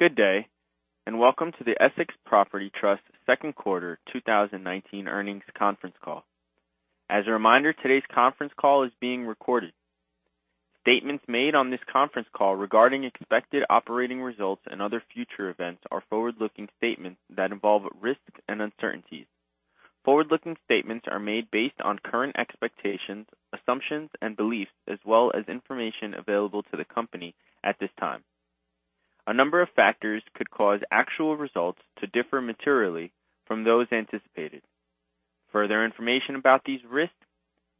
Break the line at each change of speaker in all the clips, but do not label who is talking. Good day. And welcome to the Essex Property Trust Q2 2019 earnings conference call. As a reminder, today's conference call is being recorded. Statements made on this conference call regarding expected operating results and other future events are forward-looking statements that involve risks and uncertainties. Forward-looking statements are made based on current expectations, assumptions, and beliefs, as well as information available to the company at this time. A number of factors could cause actual results to differ materially from those anticipated. Further information about these risks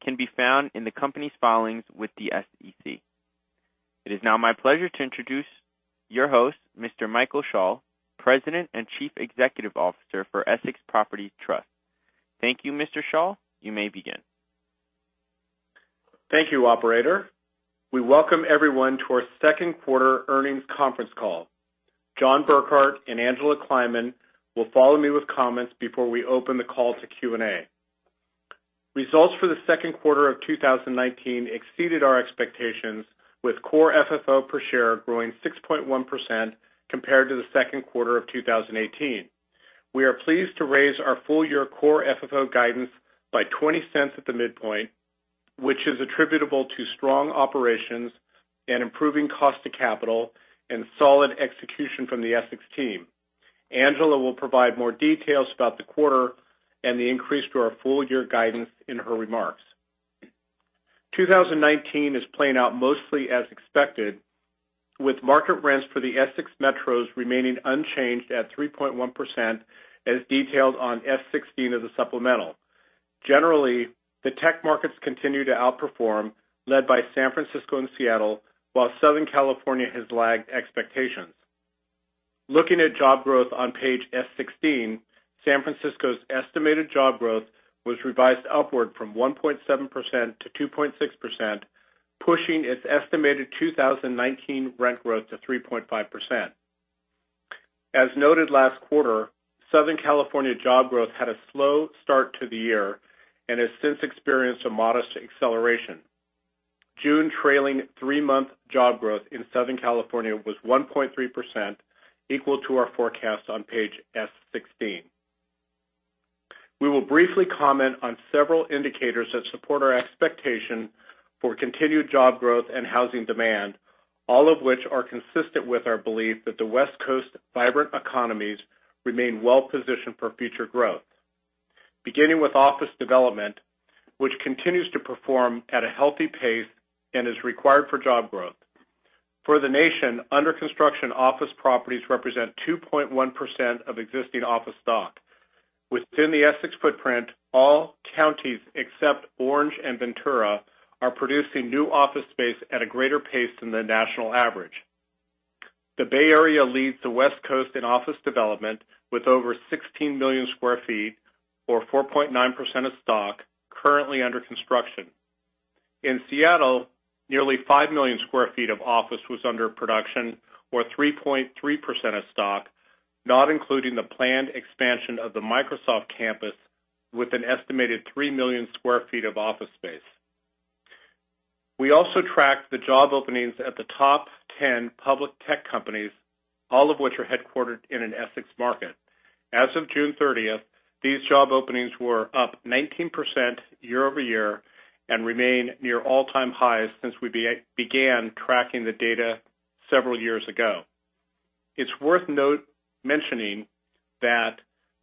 can be found in the company's filings with the SEC. It is now my pleasure to introduce your host, Mr. Michael Schall, President and Chief Executive Officer for Essex Property Trust. Thank you, Mr. Schall. You may begin.
Thank you, operator. We welcome everyone to our Q2 earnings conference call. John Burkart and Angela Kleiman will follow me with comments before we open the call to Q&A. Results for the Q2 of 2019 exceeded our expectations with core FFO per share growing 6.1% compared to the Q2 of 2018. We are pleased to raise our full-year core FFO guidance by $0.20 at the midpoint, which is attributable to strong operations and improving cost of capital and solid execution from the Essex team. Angela will provide more details about the quarter and the increase to our full-year guidance in her remarks. 2019 is playing out mostly as expected, with market rents for the Essex metros remaining unchanged at 3.1%, as detailed on S16 of the supplemental. Generally, the tech markets continue to outperform, led by San Francisco and Seattle, while Southern California has lagged expectations. Looking at job growth on page S16, San Francisco's estimated job growth was revised upward from 1.7% to 2.6%, pushing its estimated 2019 rent growth to 3.5%. As noted last quarter, Southern California job growth had a slow start to the year and has since experienced a modest acceleration. June trailing three-month job growth in Southern California was 1.3%, equal to our forecast on page S16. We will briefly comment on several indicators that support our expectation for continued job growth and housing demand, all of which are consistent with our belief that the West Coast vibrant economies remain well positioned for future growth. Beginning with office development, which continues to perform at a healthy pace and is required for job growth. For the nation, under construction office properties represent 2.1% of existing office stock. Within the Essex footprint, all counties except Orange and Ventura are producing new office space at a greater pace than the national average. The Bay Area leads the West Coast in office development with over 16 million sq ft or 4.9% of stock currently under construction. In Seattle, nearly 5 million sq ft of office was under production or 3.3% of stock, not including the planned expansion of the Microsoft campus with an estimated 3 million sq ft of office space. We also tracked the job openings at the top 10 public tech companies, all of which are headquartered in an Essex market. As of June 30th, these job openings were up 19% year-over-year and remain near all-time highs since we began tracking the data several years ago. It's worth not mentioning that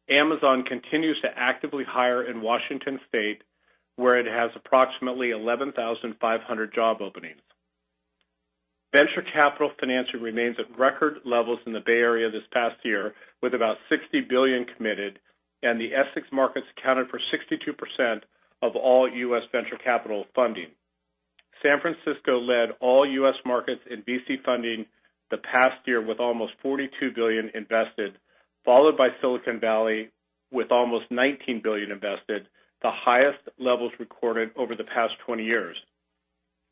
Amazon continues to actively hire in Washington state, where it has approximately 11,500 job openings. Venture capital financing remains at record levels in the Bay Area this past year, with about $60 billion committed, and the Essex markets accounted for 62% of all U.S. venture capital funding. San Francisco led all U.S. markets in VC funding the past year with almost $42 billion invested, followed by Silicon Valley with almost $19 billion invested, the highest levels recorded over the past 20 years.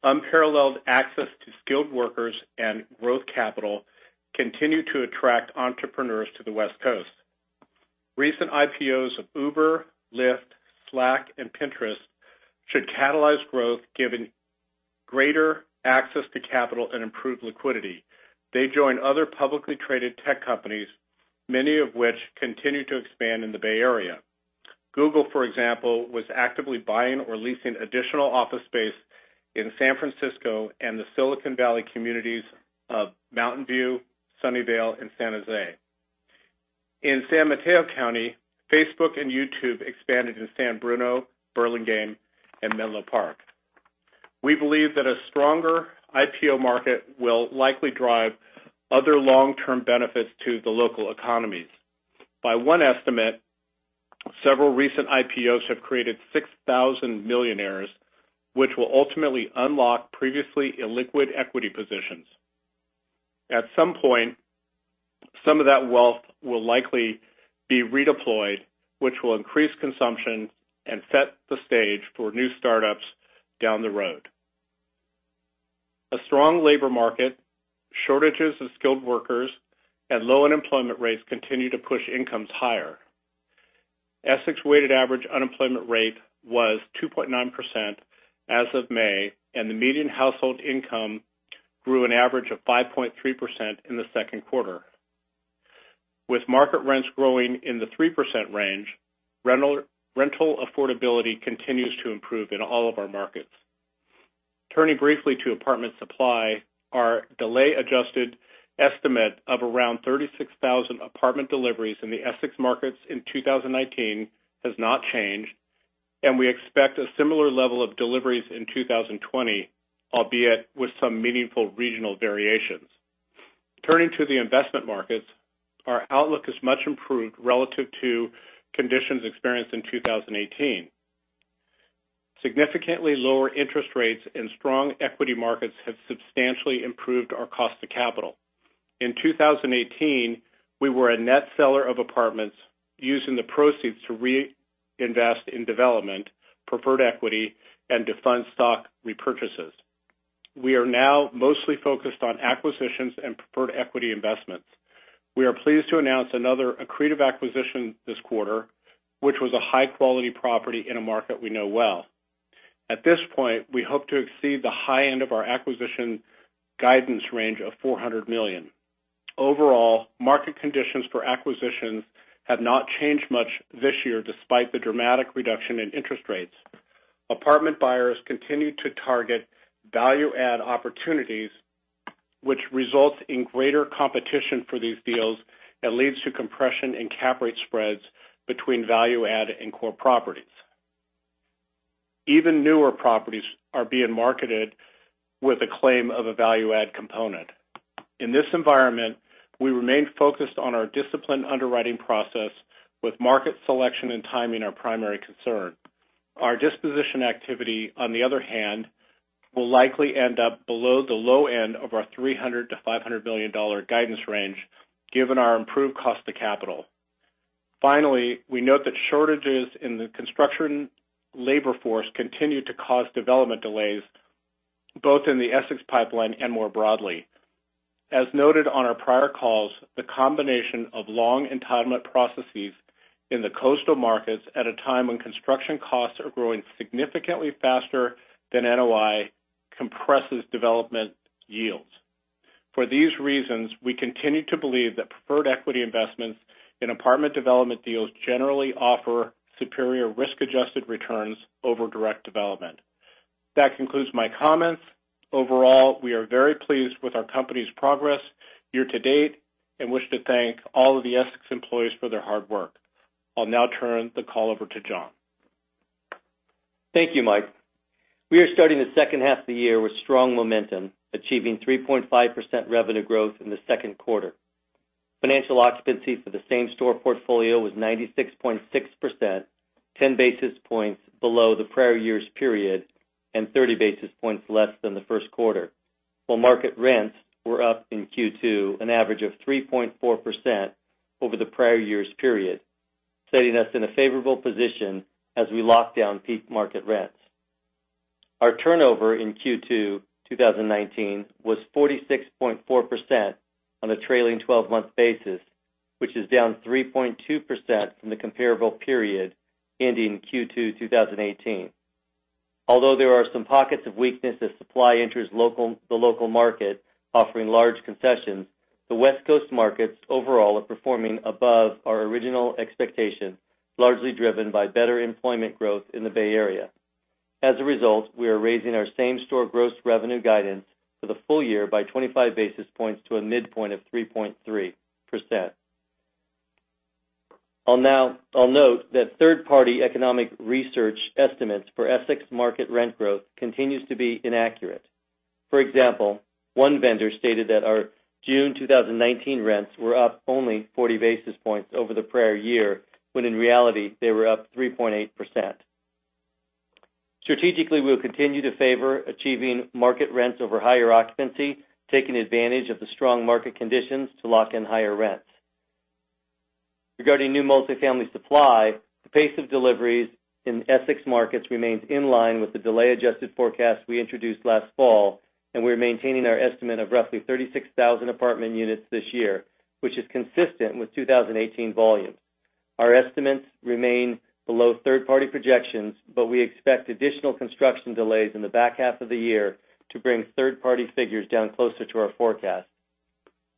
Unparalleled access to skilled workers and growth capital continue to attract entrepreneurs to the West Coast. Recent IPOs of Uber, Lyft, Slack, and Pinterest should catalyze growth given greater access to capital and improved liquidity. They join other publicly traded tech companies, many of which continue to expand in the Bay Area. Google, for example, was actively buying or leasing additional office space in San Francisco and the Silicon Valley communities of Mountain View, Sunnyvale, and San Jose. In San Mateo County, Facebook and YouTube expanded to San Bruno, Burlingame, and Menlo Park. We believe that a stronger IPO market will likely drive other long-term benefits to the local economies. By one estimate, several recent IPOs have created 6,000 millionaires, which will ultimately unlock previously illiquid equity positions. At some point, some of that wealth will likely be redeployed, which will increase consumption and set the stage for new startups down the road. A strong labor market, shortages of skilled workers, and low unemployment rates continue to push incomes higher. Essex weighted average unemployment rate was 2.9% as of May, and the median household income grew an average of 5.3% in the Q2. With market rents growing in the 3% range, rental affordability continues to improve in all of our markets. Turning briefly to apartment supply, our delay-adjusted estimate of around 36,000 apartment deliveries in the Essex markets in 2019 has not changed, and we expect a similar level of deliveries in 2020, albeit with some meaningful regional variations. Turning to the investment markets, our outlook is much improved relative to conditions experienced in 2018. Significantly lower interest rates and strong equity markets have substantially improved our cost of capital. In 2018, we were a net seller of apartments using the proceeds to reinvest in development, preferred equity, and to fund stock repurchases. We are now mostly focused on acquisitions and preferred equity investments. We are pleased to announce another accretive acquisition this quarter, which was a high-quality property in a market we know well. At this point, we hope to exceed the high end of our acquisition guidance range of $400 million. Overall, market conditions for acquisitions have not changed much this year despite the dramatic reduction in interest rates. Apartment buyers continue to target value-add opportunities, which results in greater competition for these deals and leads to compression in cap rate spreads between value-add and core properties. Even newer properties are being marketed with a claim of a value-add component. In this environment, we remain focused on our disciplined underwriting process with market selection and timing our primary concern. Our disposition activity, on the other hand, will likely end up below the low end of our $300 million to $500 million guidance range given our improved cost of capital. Finally, we note that shortages in the construction labor force continue to cause development delays both in the Essex pipeline and more broadly. As noted on our prior calls, the combination of long entitlement processes in the coastal markets at a time when construction costs are growing significantly faster than NOI compresses development yields. For these reasons, we continue to believe that preferred equity investments in apartment development deals generally offer superior risk-adjusted returns over direct development. That concludes my comments. Overall, we are very pleased with our company's progress year to date and wish to thank all of the Essex employees for their hard work. I'll now turn the call over to John.
Thank you, Michael We are starting the H2 of the year with strong momentum, achieving 3.5% revenue growth in the Q2. Financial occupancy for the same-store portfolio was 96.6%, 10 basis points below the prior year's period and 30 basis points less than the Q1. While market rents were up in Q2 an average of 3.4% over the prior year's period, setting us in a favorable position as we lock down peak market rents. Our turnover in Q2 2019 was 46.4% on a trailing 12-month basis, which is down 3.2% from the comparable period ending Q2 2018. Although there are some pockets of weakness as supply enters the local market offering large concessions, the West Coast markets overall are performing above our original expectations, largely driven by better employment growth in the Bay Area. As a result, we are raising our same-store gross revenue guidance for the full year by 25 basis points to a midpoint of 3.3%. I'll note that third-party economic research estimates for Essex market rent growth continues to be inaccurate. For example, one vendor stated that our June 2019 rents were up only 40 basis points over the prior year, when in reality they were up 3.8%. Strategically, we'll continue to favor achieving market rents over higher occupancy, taking advantage of the strong market conditions to lock in higher rents. Regarding new multifamily supply, the pace of deliveries in Essex markets remains in line with the delay-adjusted forecast we introduced last fall, and we're maintaining our estimate of roughly 36,000 apartment units this year, which is consistent with 2018 volumes. Our estimates remain below third-party projections. We expect additional construction delays in the back half of the year to bring third-party figures down closer to our forecast.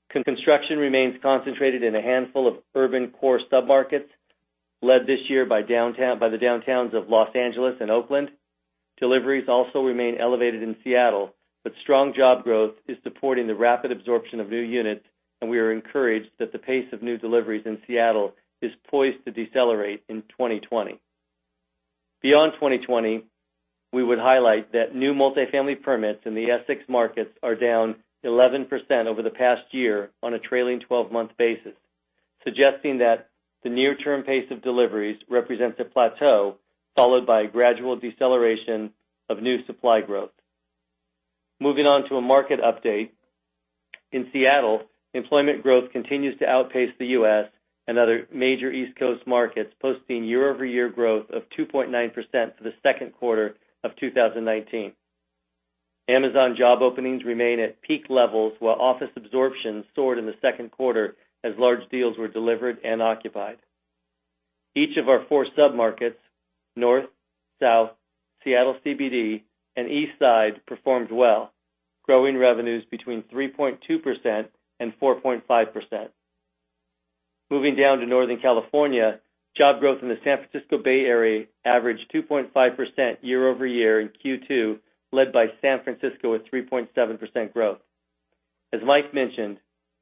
Construction remains concentrated in a handful of urban core submarkets, led this year by the downtowns of Los Angeles and Oakland. Deliveries also remain elevated in Seattle, but strong job growth is supporting the rapid absorption of new units, and we are encouraged that the pace of new deliveries in Seattle is poised to decelerate in 2020. Beyond 2020, we would highlight that new multifamily permits in the Essex markets are down 11% over the past year on a trailing 12-month basis, suggesting that the near-term pace of deliveries represents a plateau, followed by a gradual deceleration of new supply growth. Moving on to a market update. In Seattle, employment growth continues to outpace the U.S. and other major East Coast markets, posting year-over-year growth of 2.9% for the Q2 of 2019. Amazon job openings remain at peak levels, while office absorption soared in the Q2 as large deals were delivered and occupied. Each of our four sub-markets, North, South, Seattle CBD, and Eastside, performed well, growing revenues between 3.2% and 4.5%. Moving down to Northern California, job growth in the San Francisco Bay Area averaged 2.5% year-over-year in Q2, led by San Francisco with 3.7% growth. As Michael mentioned,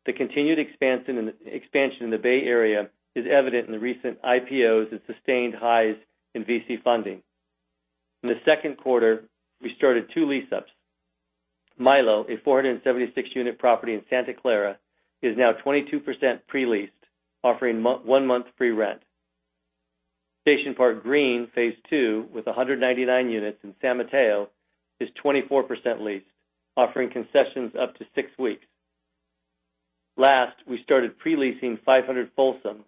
the continued expansion in the Bay Area is evident in the recent IPOs and sustained highs in VC funding. In the Q2, we started two lease-ups. Mylo, a 476-unit property in Santa Clara, is now 22% pre-leased, offering one-month free rent. Station Park Green, Phase II, with 199 units in San Mateo, is 24% leased, offering concessions up to six weeks. We started pre-leasing 500 Folsom,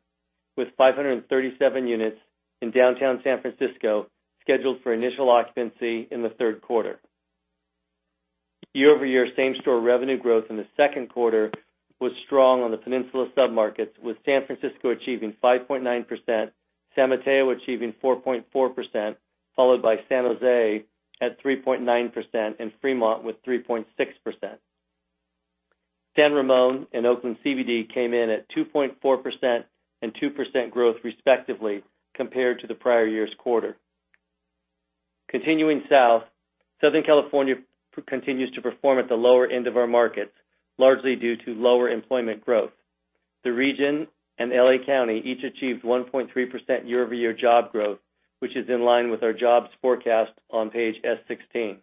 with 537 units in downtown San Francisco, scheduled for initial occupancy in the Q3. Year-over-year same-store revenue growth in the Q2 was strong on the Peninsula sub-markets, with San Francisco achieving 5.9%, San Mateo achieving 4.4%, followed by San Jose at 3.9%, and Fremont with 3.6%. San Ramon and Oakland CBD came in at 2.4% and 2% growth respectively, compared to the prior year's quarter. Continuing south, Southern California continues to perform at the lower end of our markets, largely due to lower employment growth. The region and L.A. County each achieved 1.3% year-over-year job growth, which is in line with our jobs forecast on page S16.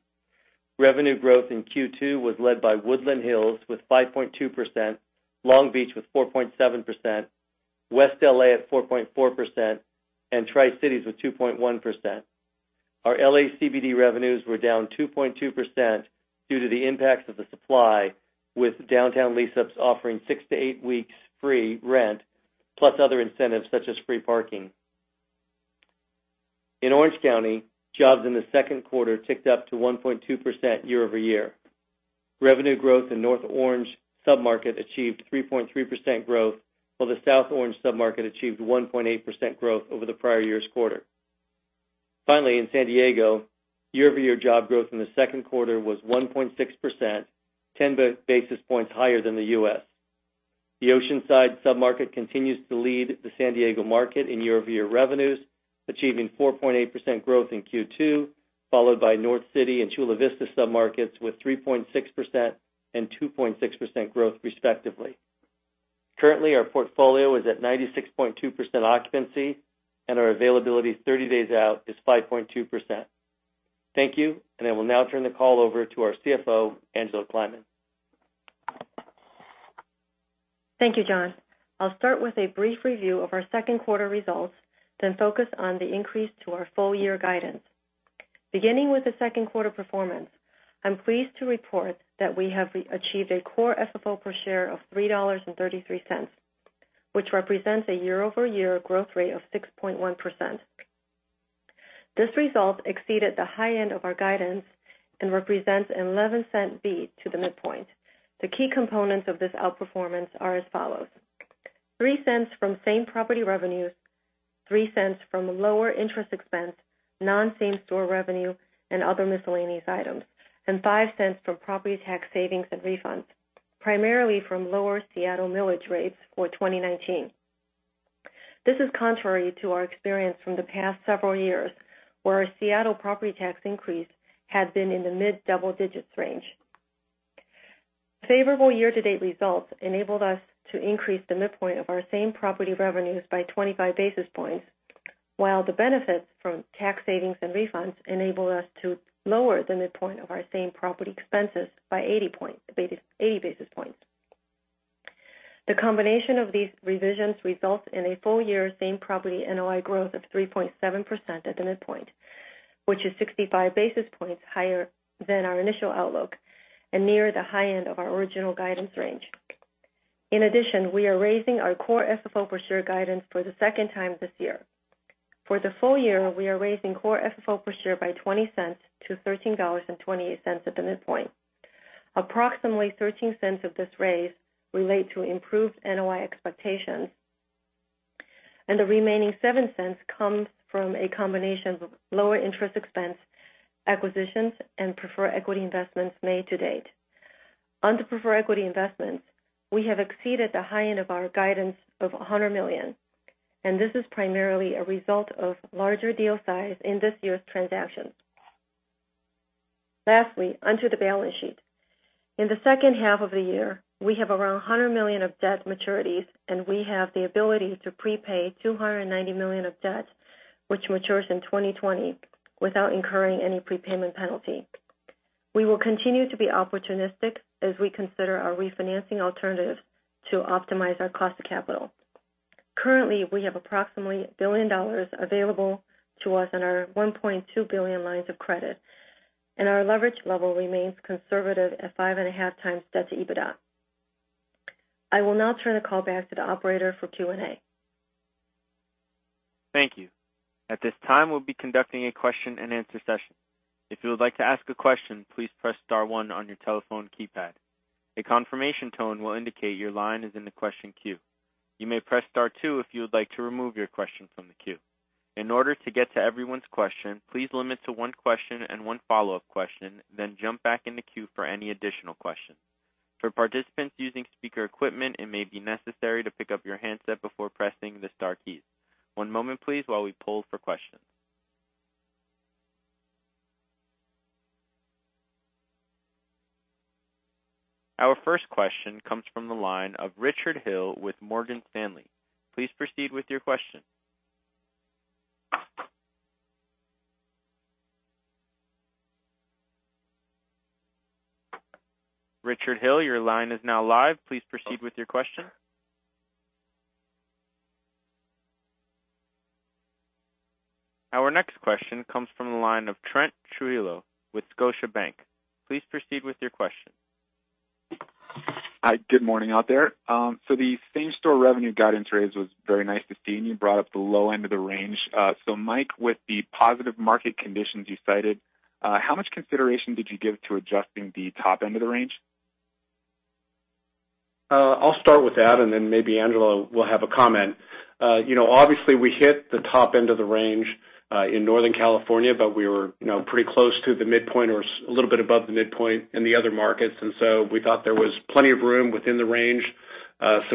Revenue growth in Q2 was led by Woodland Hills with 5.2%, Long Beach with 4.7%, West L.A. at 4.4%, and Tri-Cities with 2.1%. Our L.A. CBD revenues were down 2.2% due to the impacts of the supply, with downtown lease-ups offering six to eight weeks free rent, plus other incentives such as free parking. In Orange County, jobs in the Q2 ticked up to 1.2% year-over-year. Revenue growth in North Orange sub-market achieved 3.3% growth, while the South Orange sub-market achieved 1.8% growth over the prior year's quarter. Finally, in San Diego, year-over-year job growth in the Q2 was 1.6%, 10 basis points higher than the U.S. The Oceanside sub-market continues to lead the San Diego market in year-over-year revenues, achieving 4.8% growth in Q2, followed by North City and Chula Vista sub-markets with 3.6% and 2.6% growth respectively. Currently, our portfolio is at 96.2% occupancy, and our availability 30 days out is 5.2%. Thank you, I will now turn the call over to our CFO, Angela Kleiman.
Thank you, John. I'll start with a brief review of our Q2 results, then focus on the increase to our full-year guidance. Beginning with the Q2 performance, I'm pleased to report that we have achieved a core FFO per share of $3.33, which represents a year-over-year growth rate of 6.1%. This result exceeded the high end of our guidance and represents an $0.11 beat to the midpoint. The key components of this outperformance are as follows. $0.03 from same-property revenues, $0.03 from lower interest expense, non-same store revenue, and other miscellaneous items, and $0.05 from property tax savings and refunds, primarily from lower Seattle millage rates for 2019. This is contrary to our experience from the past several years, where our Seattle property tax increase had been in the mid-double-digits range. Favorable year-to-date results enabled us to increase the midpoint of our same property revenues by 25 basis points, while the benefits from tax savings and refunds enabled us to lower the midpoint of our same property expenses by 80 basis points. The combination of these revisions results in a full-year same property NOI growth of 3.7% at the midpoint, which is 65 basis points higher than our initial outlook and near the high end of our original guidance range. In addition, we are raising our core FFO per share guidance for the second time this year. For the full year, we are raising core FFO per share by $0.20 to $13.28 at the midpoint. Approximately $0.13 of this raise relate to improved NOI expectations, and the remaining $0.07 comes from a combination of lower interest expense, acquisitions, and preferred equity investments made to date. On the preferred equity investments, we have exceeded the high end of our guidance of $100 million. This is primarily a result of larger deal size in this year's transactions. Lastly, onto the balance sheet. In the H2 of the year, we have around $100 million of debt maturities. We have the ability to prepay $290 million of debt, which matures in 2020 without incurring any prepayment penalty. We will continue to be opportunistic as we consider our refinancing alternatives to optimize our cost of capital. Currently, we have approximately $1 billion available to us on our $1.2 billion lines of credit. Our leverage level remains conservative at five point five times debt to EBITDA. I will now turn the call back to the operator for Q&A.
Thank you. At this time, we'll be conducting a question and answer session. If you would like to ask a question, please press star one on your telephone keypad. A confirmation tone will indicate your line is in the question queue. You may press star two if you would like to remove your question from the queue. In order to get to everyone's question, please limit to one question and one follow-up question, then jump back in the queue for any additional questions. For participants using speaker equipment, it may be necessary to pick up your handset before pressing the star keys. One moment, please, while we pull for questions. Our first question comes from the line of Richard Hill with Morgan Stanley. Please proceed with your question. Richard Hill, your line is now live. Please proceed with your question. Our next question comes from the line of Trent Trujillo with Scotiabank. Please proceed with your question.
Hi, good morning out there. So the same-store revenue guidance raise was very nice to see. You brought up the low end of the range. Michael, with the positive market conditions you cited, how much consideration did you give to adjusting the top end of the range?
I'll start with that, then maybe Angela will have a comment. Obviously, we hit the top end of the range, in Northern California, we were pretty close to the midpoint or a little bit above the midpoint in the other markets. We thought there was plenty of room within the range,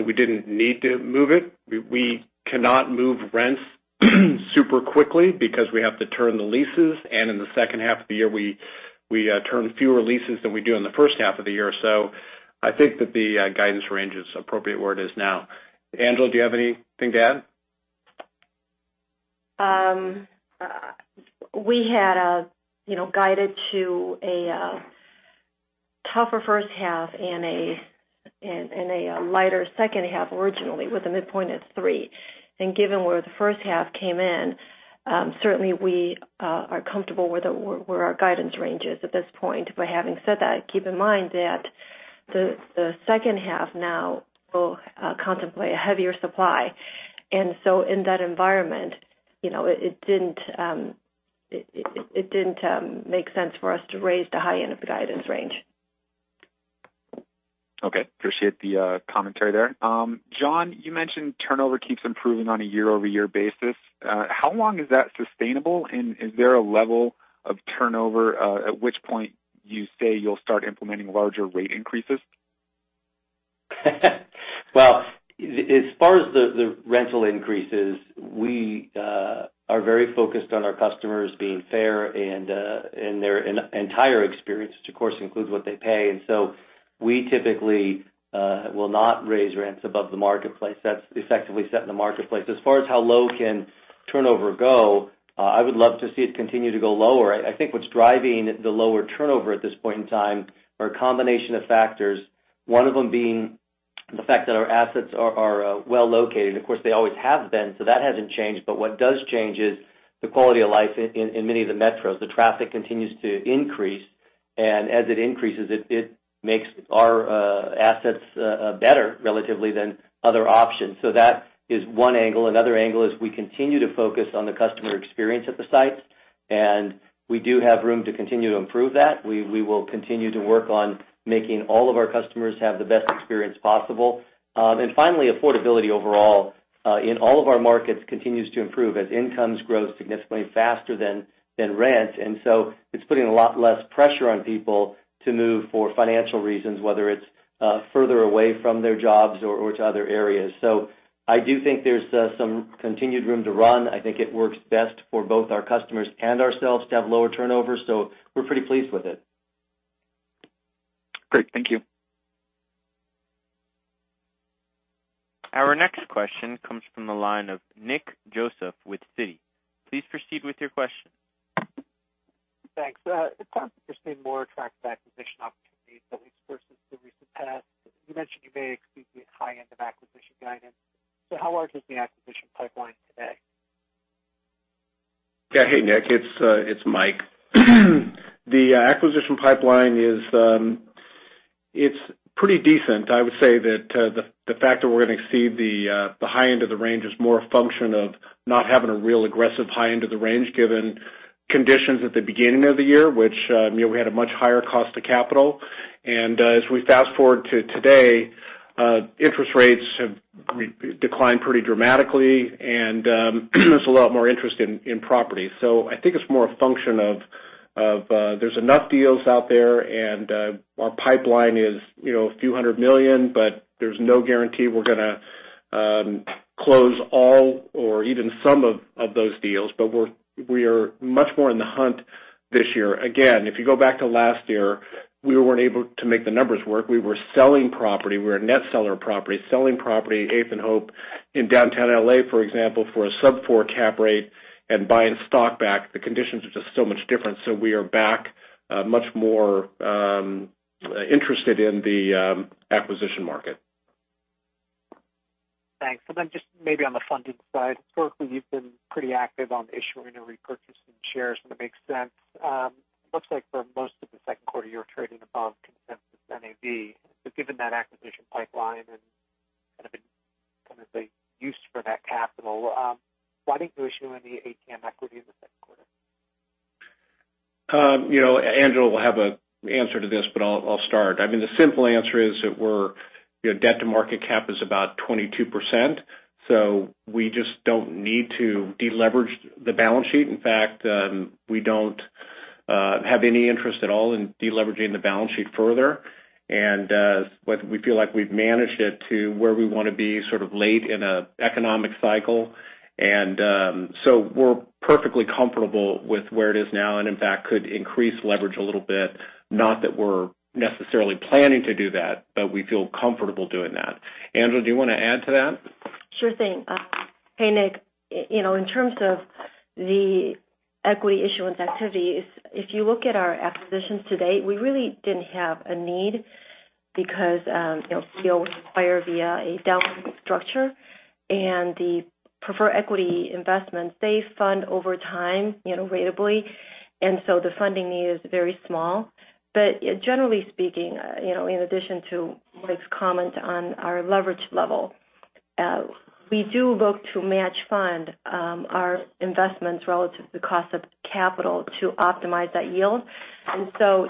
we didn't need to move it. We cannot move rents super quickly because we have to turn the leases. In the H2 of the year, we turn fewer leases than we do in the H1 of the year. I think that the guidance range is appropriate where it is now. Angela, do you have anything to add?
We had guided to a tougher H1 and a lighter H2 originally with the midpoint at three. Given where the H1 came in, certainly we are comfortable where our guidance range is at this point. Having said that, keep in mind that the H2 now will contemplate a heavier supply. In that environment, it didn't make sense for us to raise the high end of the guidance range.
Okay. Appreciate the commentary there. John, you mentioned turnover keeps improving on a year-over-year basis. How long is that sustainable? Is there a level of turnover, at which point you say you'll start implementing larger rate increases?
Well, as far as the rental increases, we are very focused on our customers being fair in their entire experience, which, of course, includes what they pay. We typically will not raise rents above the marketplace that's effectively set in the marketplace. As far as how low can turnover go, I would love to see it continue to go lower. I think what's driving the lower turnover at this point in time are a combination of factors. One of them being the fact that our assets are well-located. Of course, they always have been, so that hasn't changed. What does change is the quality of life in many of the metros. The traffic continues to increase, and as it increases, it makes our assets better relatively than other options. That is one angle. Another angle is we continue to focus on the customer experience at the sites, and we do have room to continue to improve that. We will continue to work on making all of our customers have the best experience possible. Finally, affordability overall, in all of our markets continues to improve as incomes grow significantly faster than rent. It's putting a lot less pressure on people to move for financial reasons, whether it's further away from their jobs or to other areas. So I do think there's some continued room to run. I think it works best for both our customers and ourselves to have lower turnover, so we're pretty pleased with it.
Great. Thank you.
Our next question comes from the line of Nick Joseph with Citi. Please proceed with your question.
Thanks. It sounds like you're seeing more attractive acquisition opportunities at least versus the recent past. You mentioned you may exceed the high end of acquisition guidance. How large is the acquisition pipeline today?
Hey, Nick, it's Michael. The acquisition pipeline is pretty decent. I would say that the fact that we're going to exceed the high end of the range is more a function of not having a real aggressive high end of the range given conditions at the beginning of the year, which we had a much higher cost of capital. As we fast-forward to today, interest rates have declined pretty dramatically, and there's a lot more interest in property. I think it's more a function of there's enough deals out there, and our pipeline is a few hundred million, but there's no guarantee we're going to close all or even some of those deals. We are much more in the hunt this year. Again, if you go back to last year, we weren't able to make the numbers work. We were selling property. We're a net seller of property, selling property, Eighth and Hope in downtown L.A., for example, for a sub-four cap rate and buying stock back. The conditions are just so much different, we are back much more interested in the acquisition market.
Thanks. Then just maybe on the funding side, historically, you've been pretty active on issuing and repurchasing shares when it makes sense. Looks like for most of the Q2, you're trading above consensus. NAV. Given that acquisition pipeline and kind of the use for that capital, why didn't you issue any ATM equity in the Q2?
Angela will have an answer to this. I'll start. I mean, the simple answer is that we're debt to market cap is about 22%. We just don't need to deleverage the balance sheet. In fact, we don't have any interest at all in deleveraging the balance sheet further. We feel like we've managed it to where we want to be sort of late in an economic cycle. We're perfectly comfortable with where it is now and in fact could increase leverage a little bit. Not that we're necessarily planning to do that. We feel comfortable doing that. Angela, do you want to add to that?
Sure thing. Hey, Nick. In terms of the equity issuance activities, if you look at our acquisitions to date, we really didn't have a need because deal was acquired via a DownREIT structure and the preferred equity investments, they fund over time, ratably. The funding need is very small. Generally speaking, in addition to Michael's comment on our leverage level, we do look to match fund, our investments relative to the cost of capital to optimize that yield.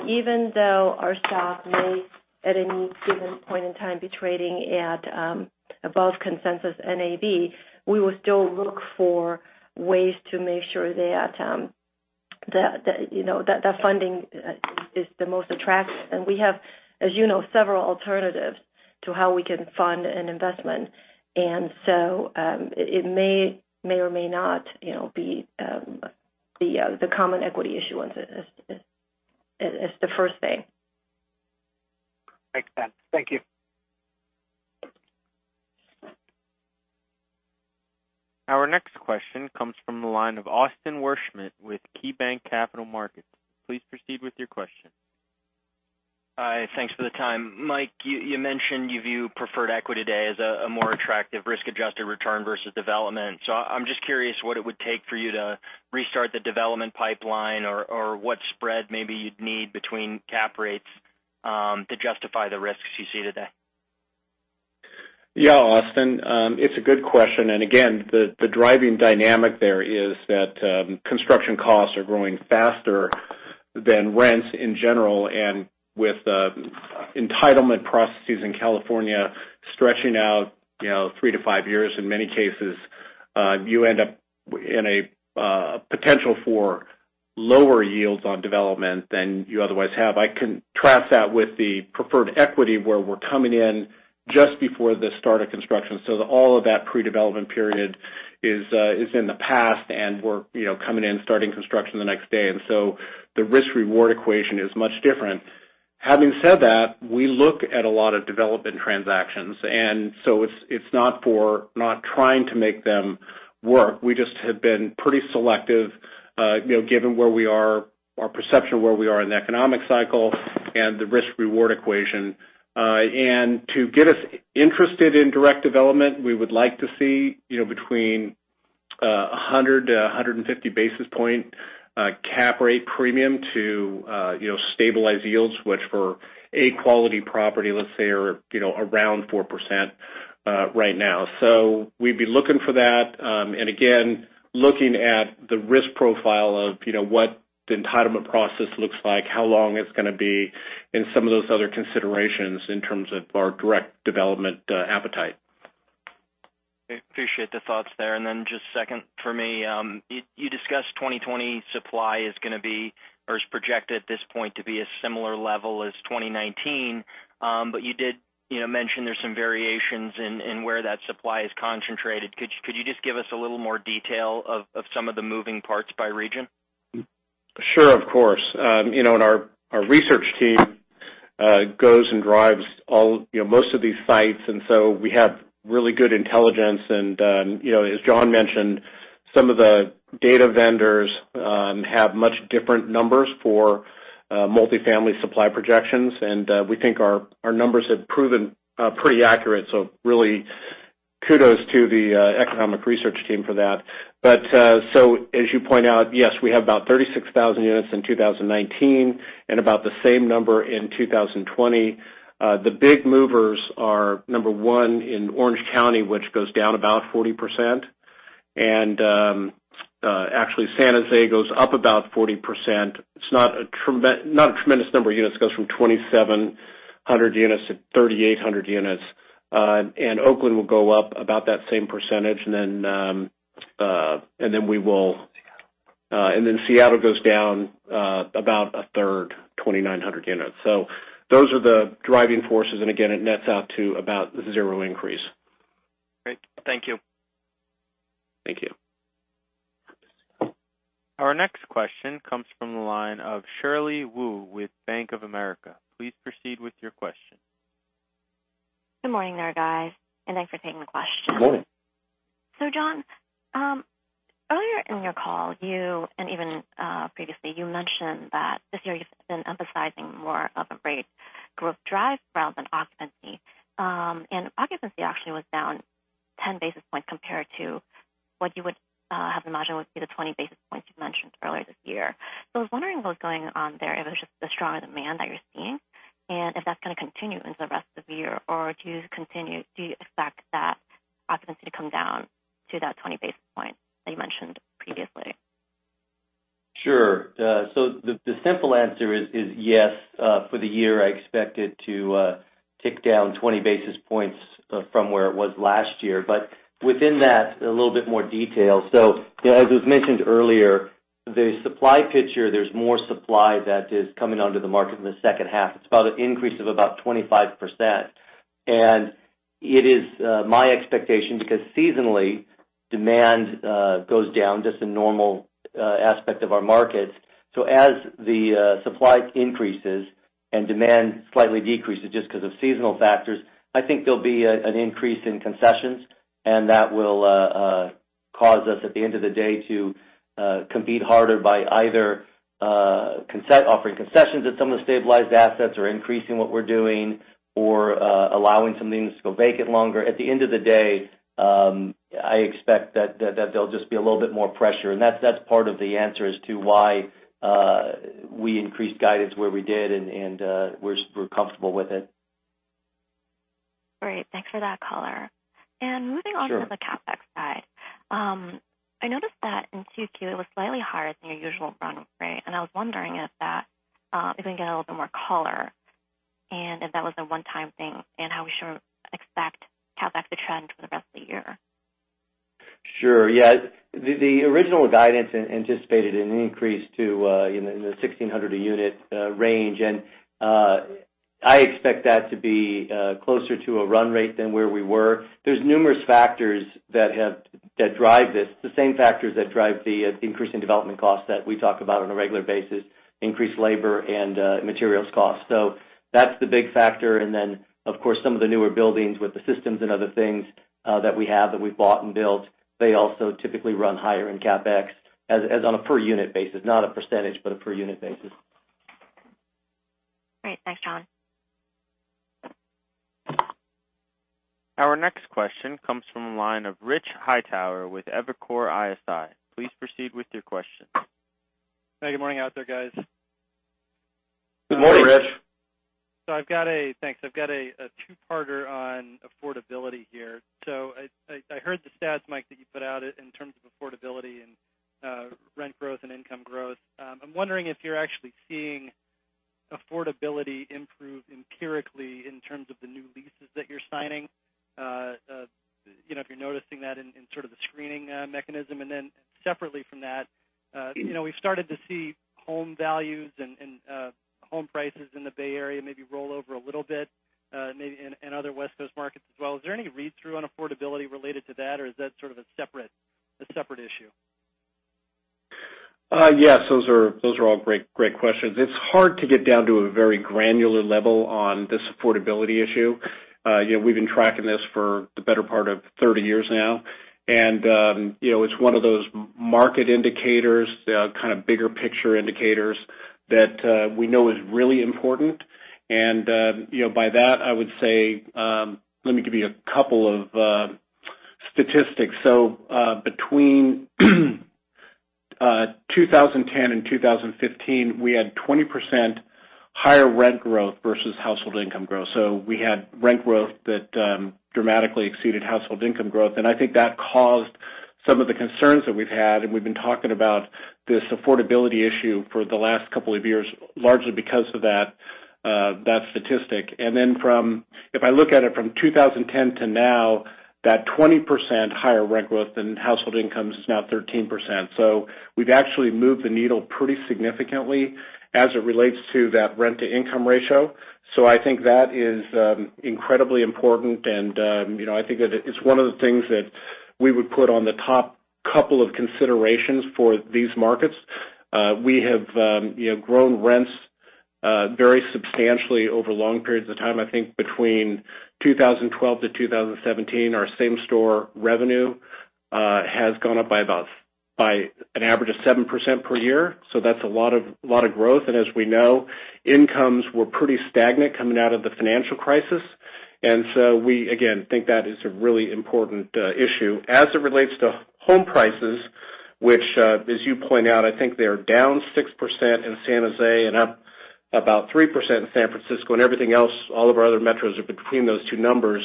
Even though our stock may, at any given point in time, be trading at above consensus NAV, we will still look for ways to make sure that funding is the most attractive. We have, as you know, several alternatives to how we can fund an investment. And so it may or may not be the common equity issuance as the first thing.
Makes sense. Thank you.
Our next question comes from the line of Austin Wurschmidt with KeyBanc Capital Markets. Please proceed with your question.
Hi, thanks for the time. Michael, you mentioned you view preferred equity today as a more attractive risk-adjusted return versus development. I'm just curious what it would take for you to restart the development pipeline or what spread maybe you'd need between cap rates to justify the risks you see today?
Yeah, Austin, it's a good question. Again, the driving dynamic there is that construction costs are growing faster than rents in general. With entitlement processes in California stretching out three to five years in many cases, you end up in a potential for lower yields on development than you otherwise have. I contrast that with the preferred equity where we're coming in just before the start of construction. All of that pre-development period is in the past, and we're coming in starting construction the next day. The risk-reward equation is much different. Having said that, we look at a lot of development transactions, and so it's not trying to make them work. We just have been pretty selective, given where we are, our perception of where we are in the economic cycle and the risk-reward equation. To get us interested in direct development, we would like to see between 100 to 150 basis points cap rate premium to stabilize yields, which for A quality property, let's say, are around 4% right now. So we'd be looking for that. Again, looking at the risk profile of what the entitlement process looks like, how long it's going to be, and some of those other considerations in terms of our direct development appetite.
Appreciate the thoughts there. Just second for me, you discussed 2020 supply is going to be or is projected at this point to be a similar level as 2019. You did mention there's some variations in where that supply is concentrated. Could you just give us a little more detail of some of the moving parts by region?
Sure, of course. Our research team goes and drives most of these sites, and so we have really good intelligence and, as John mentioned, some of the data vendors have much different numbers for multifamily supply projections. We think our numbers have proven pretty accurate, so really kudos to the economic research team for that. As you point out, yes, we have about 36,000 units in 2019 and about the same number in 2020. The big movers are number one in Orange County, which goes down about 40%, and actually San Jose goes up about 40%. It's not a tremendous number of units. It goes from 2,700 units to 3,800 units. Oakland will go up about that same percentage, and we will Seattle goes down about a third, 2,900 units. Those are the driving forces. Again, it nets out to about zero increase.
Great. Thank you.
Thank you.
Our next question comes from the line of Shirley Wu with Bank of America. Please proceed with your question.
Good morning there, guys, and thanks for taking the question.
Good morning.
John, earlier in your call, you and even previously, you mentioned that this year you've been emphasizing more of a rate growth driver. occupancy. Occupancy actually was down 10 basis points compared to what you would have imagined would be the 20 basis points you mentioned earlier this year. I was wondering what was going on there, if it was just the stronger demand that you're seeing, and if that's going to continue into the rest of the year or do you expect that occupancy to come down to that 20 basis points that you mentioned previously?
Sure. The simple answer is yes. For the year, I expect it to tick down 20 basis points from where it was last year. Within that, a little bit more detail. As was mentioned earlier, the supply picture, there's more supply that is coming onto the market in the H2. It's about an increase of about 25%. It is my expectation, because seasonally, demand goes down, just a normal aspect of our markets. As the supply increases and demand slightly decreases just because of seasonal factors, I think there'll be an increase in concessions, and that will cause us, at the end of the day, to compete harder by either offering concessions at some of the stabilized assets or increasing what we're doing or allowing some things to go vacant longer. At the end of the day, I expect that there'll just be a little bit more pressure. That's part of the answer as to why we increased guidance where we did. We're comfortable with it.
Great. Thanks for that call.
Sure.
Moving on to the CapEx side. I noticed that in 2Q, it was slightly higher than your usual run rate, and I was wondering if we can get a little bit more color, and if that was a one-time thing, and how we should expect CapEx to trend for the rest of the year?
Sure. Yeah. The original guidance anticipated an increase to in the 1,600-a-unit range. I expect that to be closer to a run rate than where we were. There's numerous factors that drive this, the same factors that drive the increase in development costs that we talk about on a regular basis, increased labor and materials costs. That's the big factor. Then, of course, some of the newer buildings with the systems and other things that we have that we've bought and built, they also typically run higher in CapEx as on a per unit basis, not a percentage, but a per unit basis.
Great. Thanks, John.
Our next question comes from the line of Rich Hightower with Evercore ISI. Please proceed with your question.
Hey, good morning out there, guys.
Good morning, Rich.
Thanks. I've got a two-parter on affordability here. I heard the stats, Michael, that you put out in terms of affordability and rent growth and income growth. I'm wondering if you're actually seeing affordability improve empirically in terms of the new leases that you're signing, if you're noticing that in sort of the screening mechanism. Separately from that, we've started to see home values and home prices in the Bay Area maybe roll over a little bit, maybe in other West Coast markets as well. Is there any read-through on affordability related to that, or is that sort of a separate issue?
Yes, those are all great questions. It's hard to get down to a very granular level on this affordability issue. We've been tracking this for the better part of 30 years now. It's one of those market indicators, kind of bigger picture indicators, that we know is really important. By that, I would say, let me give you a couple of statistics. Between 2010 and 2015, we had 20% higher rent growth versus household income growth. We had rent growth that dramatically exceeded household income growth. I think that caused some of the concerns that we've had, and we've been talking about this affordability issue for the last couple of years, largely because of that statistic. And then from, if I look at it from 2010 to now, that 20% higher rent growth than household income is now 13%.
We've actually moved the needle pretty significantly as it relates to that rent-to-income ratio. I think that is incredibly important, and I think that it's one of the things that we would put on the top couple of considerations for these markets. We have grown rents very substantially over long periods of time. I think between 2012 to 2017, our same-store revenue has gone up by an average of 7% per year. That's a lot of growth. As we know, incomes were pretty stagnant coming out of the financial crisis. We, again, think that is a really important issue. As it relates to home prices, which, as you point out, I think they are down 6% in San Jose and up about 3% in San Francisco, and everything else, all of our other metros are between those two numbers.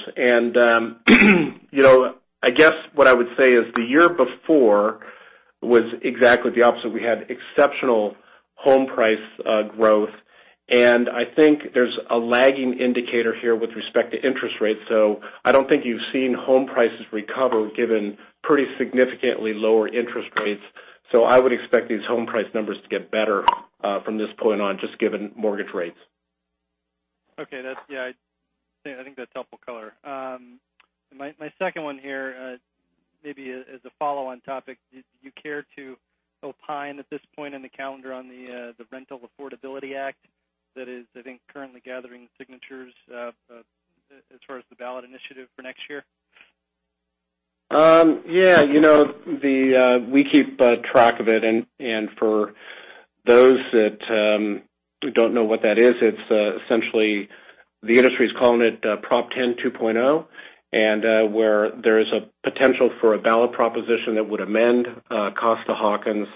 I guess what I would say is the year before was exactly the opposite. We had exceptional home price growth. I think there's a lagging indicator here with respect to interest rates, so I don't think you've seen home prices recover given pretty significantly lower interest rates. I would expect these home price numbers to get better from this point on, just given mortgage rates.
Okay. Yeah, I think that's helpful color. My second one here maybe as a follow-on topic, do you care to opine at this point in the calendar on the Rental Affordability Act that is, I think, currently gathering signatures as far as the ballot initiative for next year?
Yeah. We keep track of it, and for those that don't know what that is, it's essentially, the industry's calling it Prop 10 2.0, where there is a potential for a ballot proposition that would amend Costa-Hawkins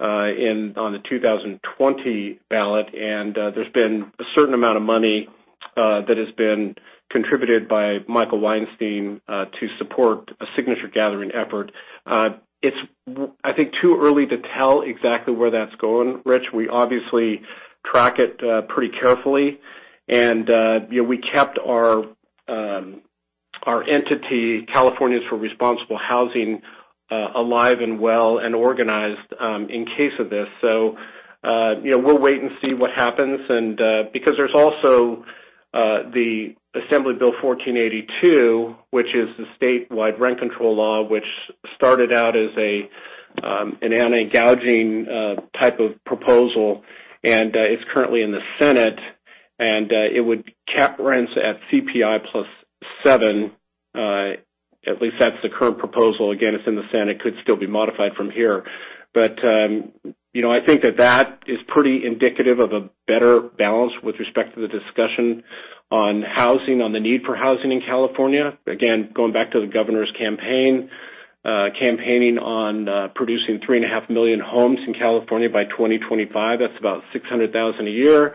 on the 2020 ballot, and there's been a certain amount of money that has been contributed by Michael Weinstein to support a signature-gathering effort. It's, I think, too early to tell exactly where that's going, Rich. We obviously track it pretty carefully, and we kept our entity, Californians for Responsible Housing, alive and well and organized in case of this. We'll wait and see what happens, because there's also the Assembly Bill 1482, which is the statewide rent control law, which started out as an anti-gouging type of proposal, and it's currently in the Senate, and it would cap rents at CPI plus 7%. At least that's the current proposal. Again, it's in the Senate, could still be modified from here. I think that that is pretty indicative of a better balance with respect to the discussion on housing, on the need for housing in California. Again, going back to the Governor's campaign, campaigning on producing 3.5 million homes in California by 2025. That's about 600,000 a year.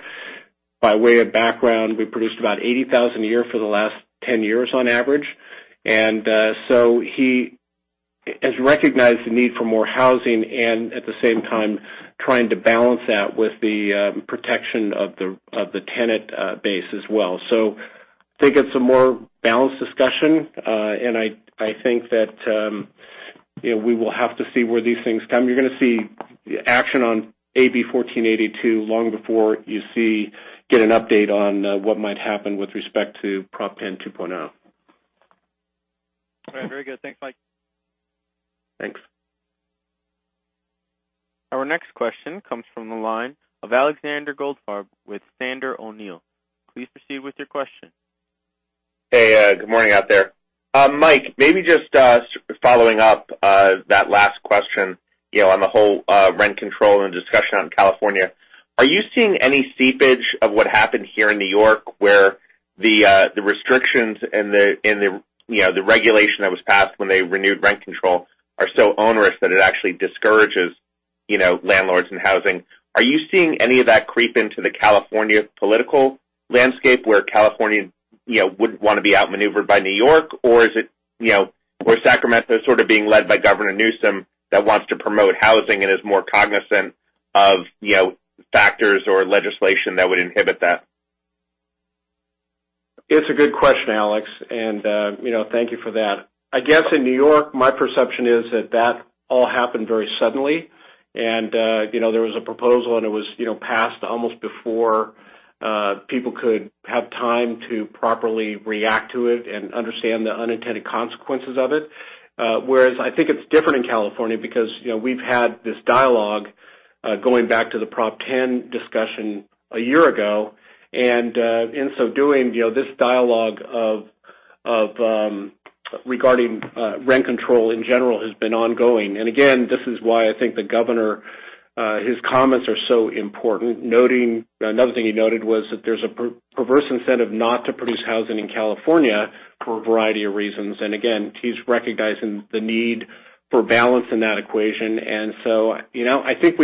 By way of background, we produced about 80,000 a year for the last 10 years on average. And so he has recognized the need for more housing and, at the same time, trying to balance that with the protection of the tenant base as well. So I think it's a more balanced discussion. I think that we will have to see where these things come. You're going to see action on AB-1482 long before you get an update on what might happen with respect to Prop 10 2.0.
All right. Very good. Thanks, Michael.
Thanks.
Our next question comes from the line of Alexander Goldfarb with Sandler O'Neill. Please proceed with your question.
Hey, good morning out there. Michael, maybe just following up that last question on the whole rent control and discussion on California. Are you seeing any seepage of what happened here in New York, where the restrictions and the regulation that was passed when they renewed rent control are so onerous that it actually discourages landlords and housing? Are you seeing any of that creep into the California political landscape, where California wouldn't want to be outmaneuvered by New York? Is it where Sacramento is sort of being led by Governor Newsom that wants to promote housing and is more cognizant of factors or legislation that would inhibit that?
It's a good question, Alexander. Thank you for that. I guess in New York, my perception is that that all happened very suddenly. There was a proposal and it was passed almost before people could have time to properly react to it and understand the unintended consequences of it. Whereas I think it's different in California because we've had this dialogue, going back to the Prop 10 discussion a year ago. In so doing, this dialogue regarding rent control in general has been ongoing. Again, this is why I think the Governor, his comments are so important. Another thing he noted was that there's a perverse incentive not to produce housing in California for a variety of reasons. Again, he's recognizing the need for balance in that equation. I think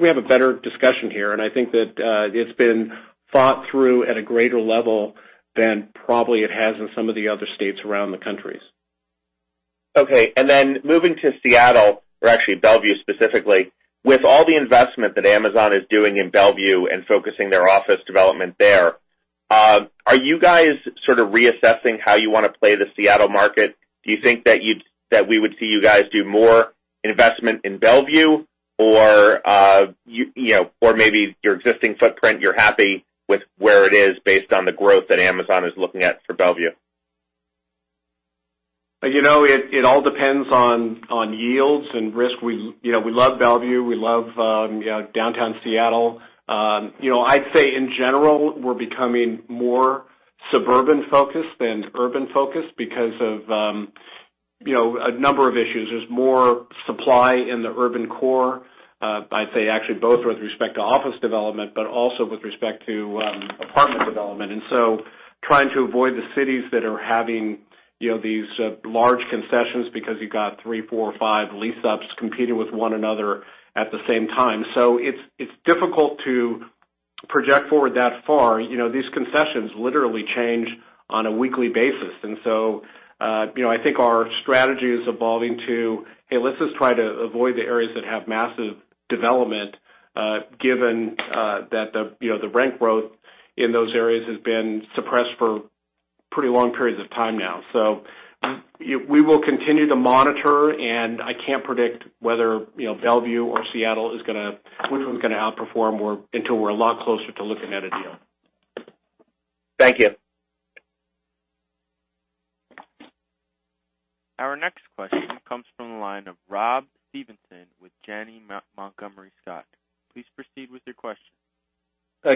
we have a better discussion here, and I think that it's been thought through at a greater level than probably it has in some of the other states around the country.
Okay, moving to Seattle, or actually Bellevue specifically. With all the investment that Amazon is doing in Bellevue and focusing their office development there, are you guys sort of reassessing how you want to play the Seattle market? Do you think that we would see you guys do more investment in Bellevue, or maybe your existing footprint, you're happy with where it is based on the growth that Amazon is looking at for Bellevue?
It all depends on yields and risk. We love Bellevue. We love downtown Seattle. I'd say, in general, we're becoming more suburban-focused than urban-focused because of a number of issues. There's more supply in the urban core. I'd say actually both with respect to office development, but also with respect to apartment development. Trying to avoid the cities that are having these large concessions because you've got three, four, five lease-ups competing with one another at the same time. It's difficult to project forward that far. These concessions literally change on a weekly basis. I think our strategy is evolving to, hey, let's just try to avoid the areas that have massive development, given that the rent growth in those areas has been suppressed for pretty long periods of time now. We will continue to monitor, and I can't predict whether Bellevue or Seattle, which one's gonna outperform, until we're a lot closer to looking at a deal.
Thank you.
Our next question comes from the line of Rob Stevenson with Janney Montgomery Scott. Please proceed with your question.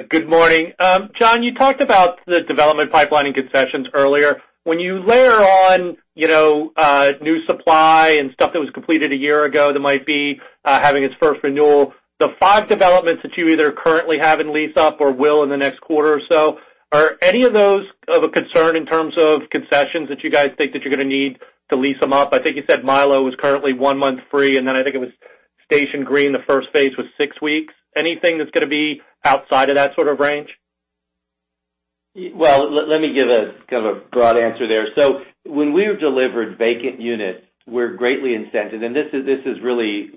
Good morning. John, you talked about the development pipeline and concessions earlier. When you layer on new supply and stuff that was completed a year ago that might be having its first renewal, the five developments that you either currently have in lease up or will in the next quarter or so, are any of those of a concern in terms of concessions that you guys think that you're going to need to lease them up? I think you said Mylo is currently one month free, and then I think it was Station Green, the first phase was six weeks. Anything that's going to be outside of that sort of range?
Well, let me give a kind of a broad answer there. When we've delivered vacant units, we're greatly incented, and this is really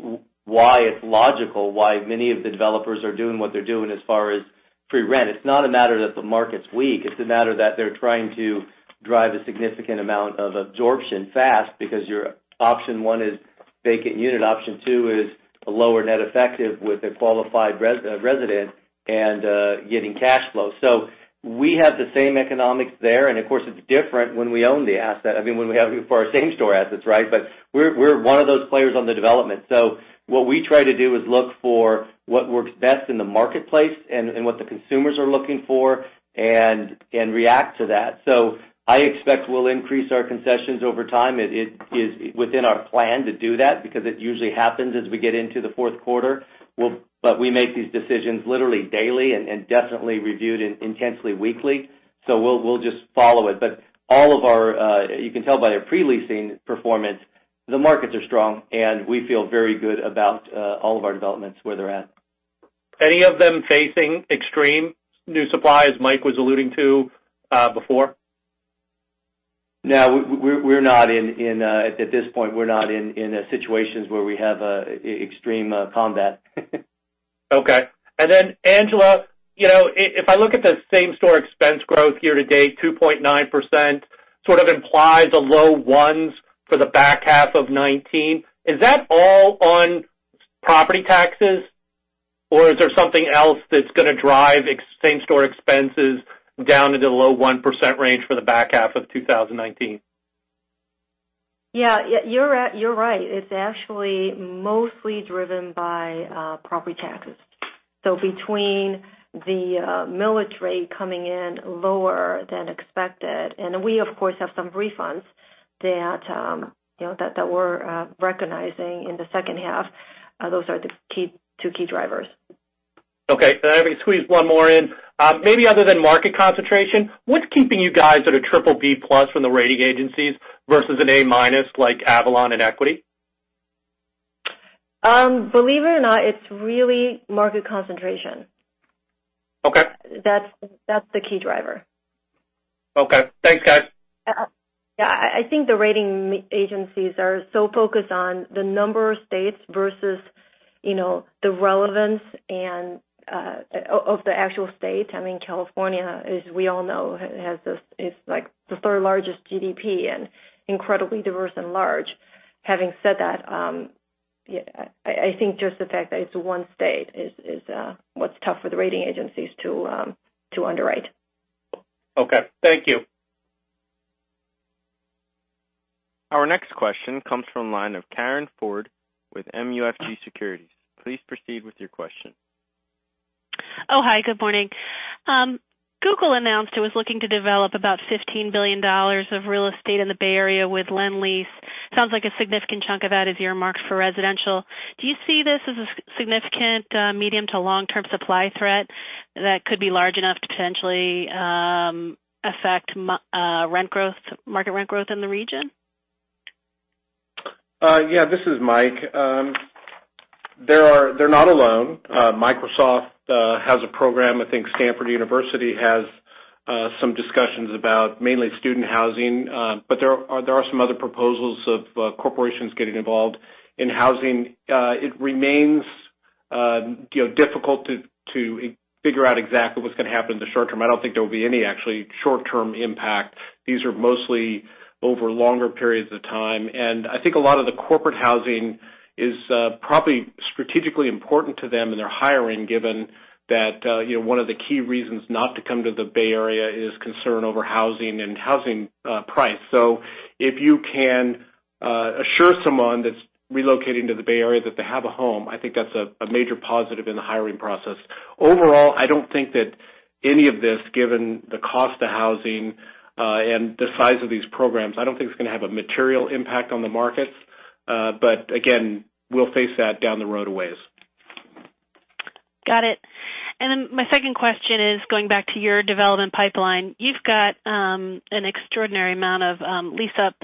why it's logical why many of the developers are doing what they're doing as far as pre-rent. It's not a matter that the market's weak, it's a matter that they're trying to drive a significant amount of absorption fast because your option one is vacant unit, option two is a lower net effective with a qualified resident and getting cash flow. So we have the same economics there, and of course, it's different when we own the asset. I mean, when we have for our same store assets, right? We're one of those players on the development. What we try to do is look for what works best in the marketplace and what the consumers are looking for and react to that. So I expect we'll increase our concessions over time. It is within our plan to do that because it usually happens as we get into the Q4. We make these decisions literally daily and definitely reviewed intensely weekly. We'll just follow it. You can tell by their pre-leasing performance, the markets are strong, and we feel very good about all of our developments where they're at.
Any of them facing extreme new supply as Michael was alluding to before?
No, at this point, we're not in situations where we have extreme combat.
Okay. Angela, if I look at the same-store expense growth year-to-date, 2.9%, sort of implies the low ones for the back half of 2019. Is that all on property taxes, or is there something else that's going to drive same-store expenses down into the low 1% range for the back half of 2019?
Yeah, you're right. It's actually mostly driven by property taxes. Between the millage rate coming in lower than expected, and we of course, have some refunds that we're recognizing in the H2. Those are the two key drivers.
Okay. Let me squeeze one more in. Maybe other than market concentration, what's keeping you guys at a BBB+ from the rating agencies versus an A- like Avalon and Equity?
Believe it or not, it's really market concentration.
Okay.
That's the key driver.
Okay. Thanks, guys.
Yeah. I think the rating agencies are so focused on the number of states versus the relevance of the actual state. I mean, California, as we all know, is like the third largest GDP and incredibly diverse and large. Having said that, I think just the fact that it's one state is what's tough for the rating agencies to underwrite.
Okay. Thank you.
Our next question comes from line of Karin Ford with MUFG Securities. Please proceed with your question.
Oh, hi. Good morning. Google announced it was looking to develop about $15 billion of real estate in the Bay Area with Lendlease. Sounds like a significant chunk of that is earmarked for residential. Do you see this as a significant medium to long-term supply threat that could be large enough to potentially affect market rent growth in the region?
Yeah, this is Michael. Microsoft has a program. I think Stanford University has some discussions about mainly student housing. There are some other proposals of corporations getting involved in housing. It remains difficult to figure out exactly what's going to happen in the short term. I don't think there will be any actually short-term impact. These are mostly over longer periods of time. I think a lot of the corporate housing is probably strategically important to them in their hiring, given that one of the key reasons not to come to the Bay Area is concern over housing and housing price. If you can assure someone that's relocating to the Bay Area that they have a home, I think that's a major positive in the hiring process. Overall, I don't think that any of this, given the cost of housing, and the size of these programs, I don't think it's going to have a material impact on the markets. Again, we'll face that down the road a ways.
Got it. Then my second question is going back to your development pipeline. You've got an extraordinary amount of lease-up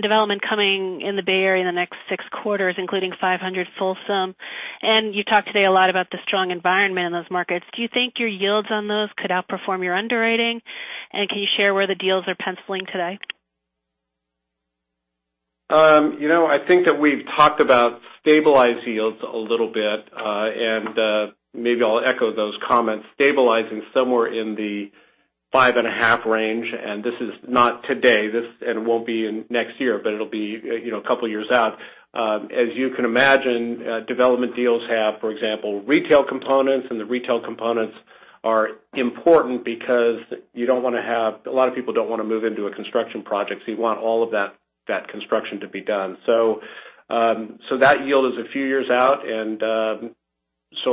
development coming in the Bay Area in the next six quarters, including 500 Folsom. You talked today a lot about the strong environment in those markets. Do you think your yields on those could outperform your underwriting? Can you share where the deals are penciling today?
You know, I think that we've talked about stabilized yields a little bit, and maybe I'll echo those comments, stabilizing somewhere in the five and a half range. This is not today, and it won't be in next year, but it'll be a couple of years out. As you can imagine, development deals have, for example, retail components. The retail components are important because a lot of people don't want to move into a construction project. You want all of that construction to be done. So that yield is a few years out.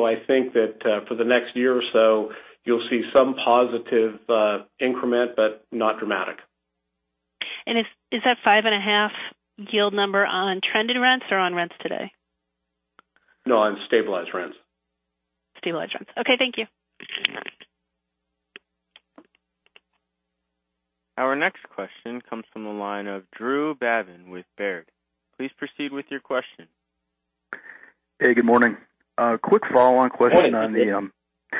I think that for the next year or so, you'll see some positive increment, but not dramatic.
Is that five and a half yield number on trended rents or on rents today?
No, on stabilized rents.
Stabilized rents. Okay, thank you.
Our next question comes from the line of Drew Babin with Baird. Please proceed with your question.
Hey, good morning. A quick follow-on question on.
Hey.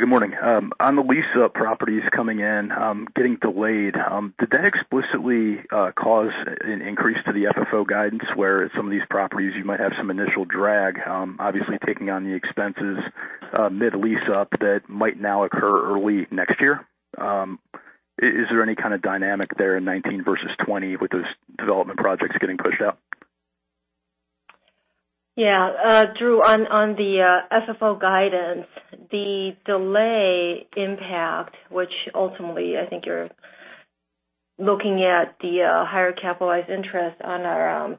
Good morning. On the lease-up properties coming in, getting delayed, did that explicitly cause an increase to the FFO guidance, where some of these properties you might have some initial drag, obviously taking on the expenses mid-lease-up that might now occur early next year? Is there any kind of dynamic there in 2019 versus 2020 with those development projects getting pushed out?
Drew, on the FFO guidance, the delay impact, which ultimately I think you're looking at the higher capitalized interest on our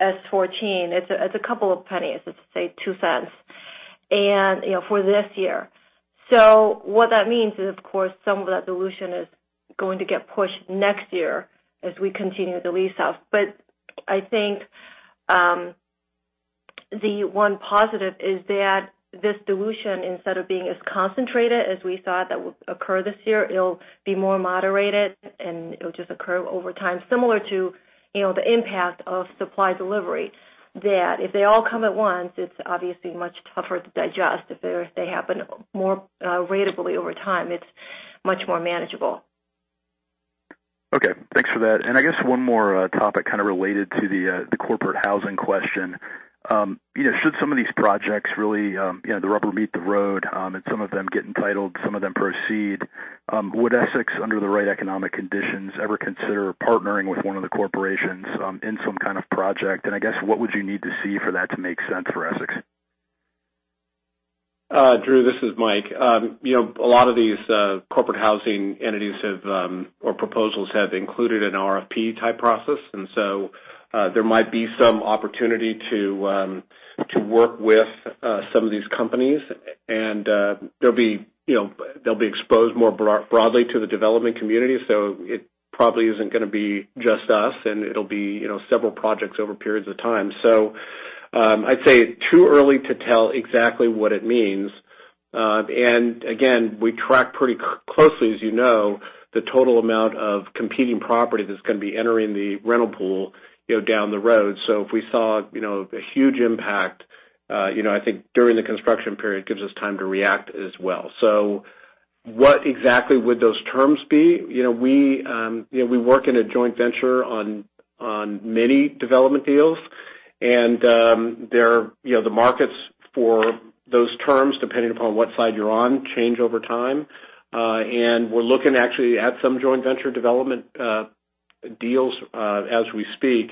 S14, it's a couple of pennies, let's say $0.02, for this year. What that means is, of course, some of that dilution is going to get pushed next year as we continue the lease-ups. I think the one positive is that this dilution, instead of being as concentrated as we thought that would occur this year, it'll be more moderated, and it'll just occur over time, similar to the impact of supply delivery. That if they all come at once, it's obviously much tougher to digest. If they happen more ratably over time, it's much more manageable.
Okay. Thanks for that. I guess one more topic kind of related to the corporate housing question. Should some of these projects really, the rubber meet the road, and some of them get entitled, some of them proceed, would Essex, under the right economic conditions, ever consider partnering with one of the corporations in some kind of project? I guess what would you need to see for that to make sense for Essex?
Drew, this is Michael. A lot of these corporate housing entities or proposals have included an RFP-type process, and so there might be some opportunity to work with some of these companies. They'll be exposed more broadly to the development community. It probably isn't going to be just us, and it'll be several projects over periods of time. I'd say too early to tell exactly what it means. Again, we track pretty closely, as you know, the total amount of competing property that's going to be entering the rental pool down the road. If we saw a huge impact, I think during the construction period gives us time to react as well. What exactly would those terms be? We work in a joint venture on many development deals, and the markets for those terms, depending upon what side you're on, change over time. And we're looking actually at some joint venture development deals as we speak.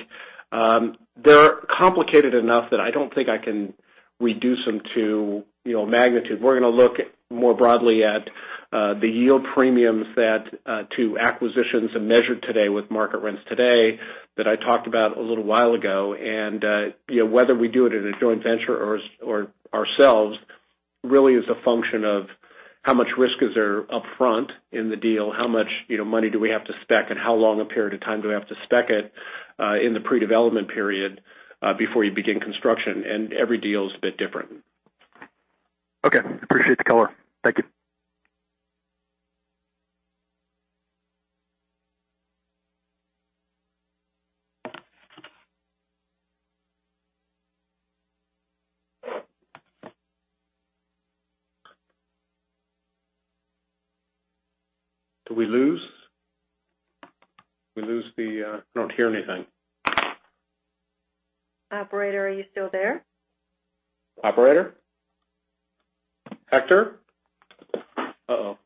They're complicated enough that I don't think I can reduce them to magnitude. We're going to look more broadly at the yield premiums to acquisitions and measure today with market rents today that I talked about a little while ago. Whether we do it as a joint venture or ourselves really is a function of how much risk is there upfront in the deal, how much money do we have to spec, and how long a period of time do we have to spec it in the pre-development period before you begin construction. Every deal is a bit different.
Okay. Appreciate the call. Thank you.
Did we lose? I don't hear anything.
Operator, are you still there?
Operator? Hector? Uh-oh.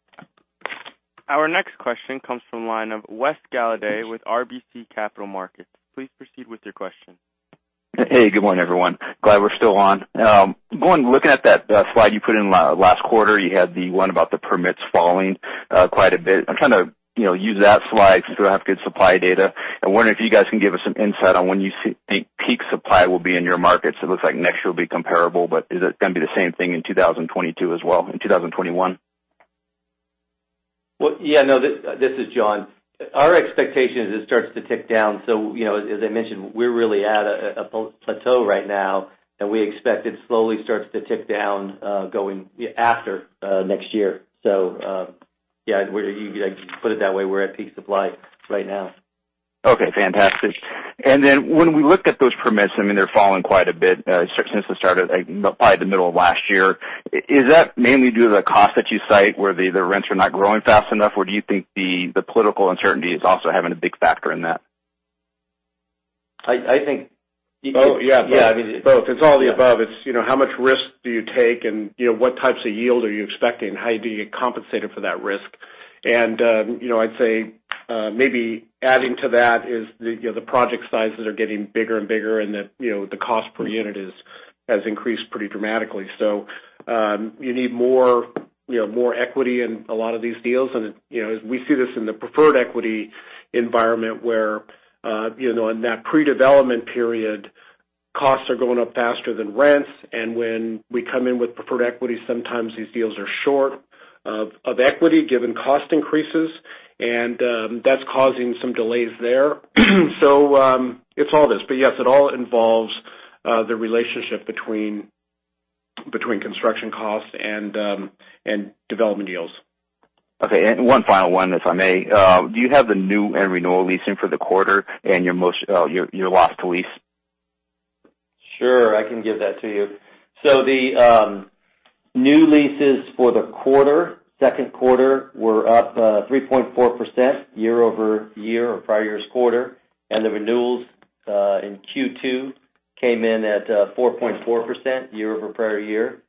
Our next question comes from the line of Wes Golladay with RBC Capital Markets. Please proceed with your question.
Hey, good morning, everyone. Glad we're still on. Going looking at that slide you put in last quarter, you had the one about the permits falling quite a bit. I'm trying to use that slide since we don't have good supply data. I wonder if you guys can give us some insight on when you think peak supply will be in your markets. It looks like next year will be comparable, is it going to be the same thing in 2021 as well?
Yeah. No, this is John. Our expectation is it starts to tick down. As I mentioned, we're really at a plateau right now, and we expect it slowly starts to tick down going after next year. Yeah, you could put it that way. We're at peak supply right now.
Okay, fantastic. And then when we look at those permits, they're falling quite a bit since the start of probably the middle of last year. Is that mainly due to the cost that you cite, where the rents are not growing fast enough? Or do you think the political uncertainty is also having a big factor in that?
I think-
Oh, yeah.
Yeah.
Both. It's all the above. It's how much risk do you take, and what types of yield are you expecting? How do you get compensated for that risk? I'd say maybe adding to that is the project sizes are getting bigger and bigger, and the cost per unit has increased pretty dramatically. You need more equity in a lot of these deals. We see this in the preferred equity environment where in that pre-development period, costs are going up faster than rents. When we come in with preferred equity, sometimes these deals are short of equity given cost increases, and that's causing some delays there. It's all this, but yes, it all involves the relationship between construction costs and development deals.
Okay. One final one, if I may. Do you have the new and renewal leasing for the quarter and your loss to lease?
Sure, I can give that to you. The new leases for the quarter, Q2, were up 3.4% year-over-year or prior year's quarter, the renewals in Q2 came in at 4.4% year over prior year.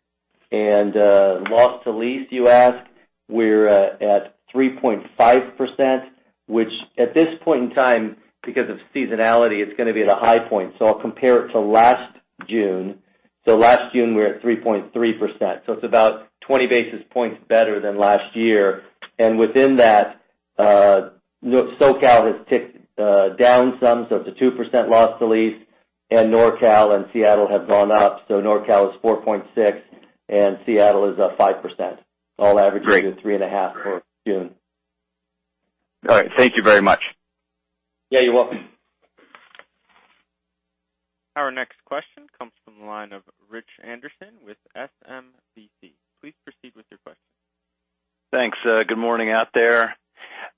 Loss to lease, you asked, we're at 3.5%, which at this point in time, because of seasonality, it's going to be at a high point. I'll compare it to last June. Last June, we were at 3.3%, so it's about 20 basis points better than last year. Within that, SoCal has ticked down some, so it's a 2% loss to lease, NorCal and Seattle have gone up. NorCal is 4.6% and Seattle is up 5%. All averages.
Great
are 3.5% for June.
All right. Thank you very much.
Yeah, you're welcome.
Our next question comes from the line of Rich Anderson with SMBC. Please proceed with your question.
Thanks. Good morning out there.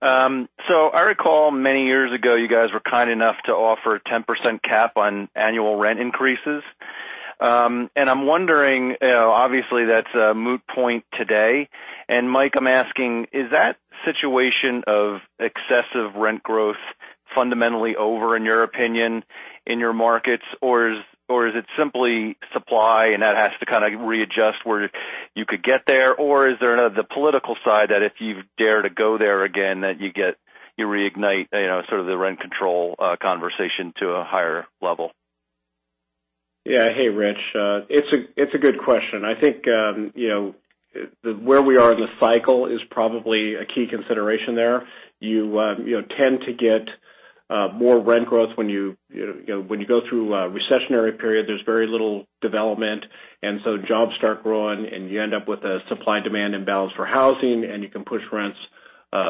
I recall many years ago, you guys were kind enough to offer a 10% cap on annual rent increases. I'm wondering, obviously, that's a moot point today. Michael, I'm asking, is that situation of excessive rent growth fundamentally over, in your opinion, in your markets? Is it simply supply and that has to kind of readjust where you could get there? Is there the political side that if you dare to go there again, that you reignite sort of the rent control conversation to a higher level?
Yeah. Hey, Rich. It's a good question. I think where we are in the cycle is probably a key consideration there. You tend to get more rent growth when you go through a recessionary period. There's very little development, and so jobs start growing, and you end up with a supply-demand imbalance for housing, and you can push rents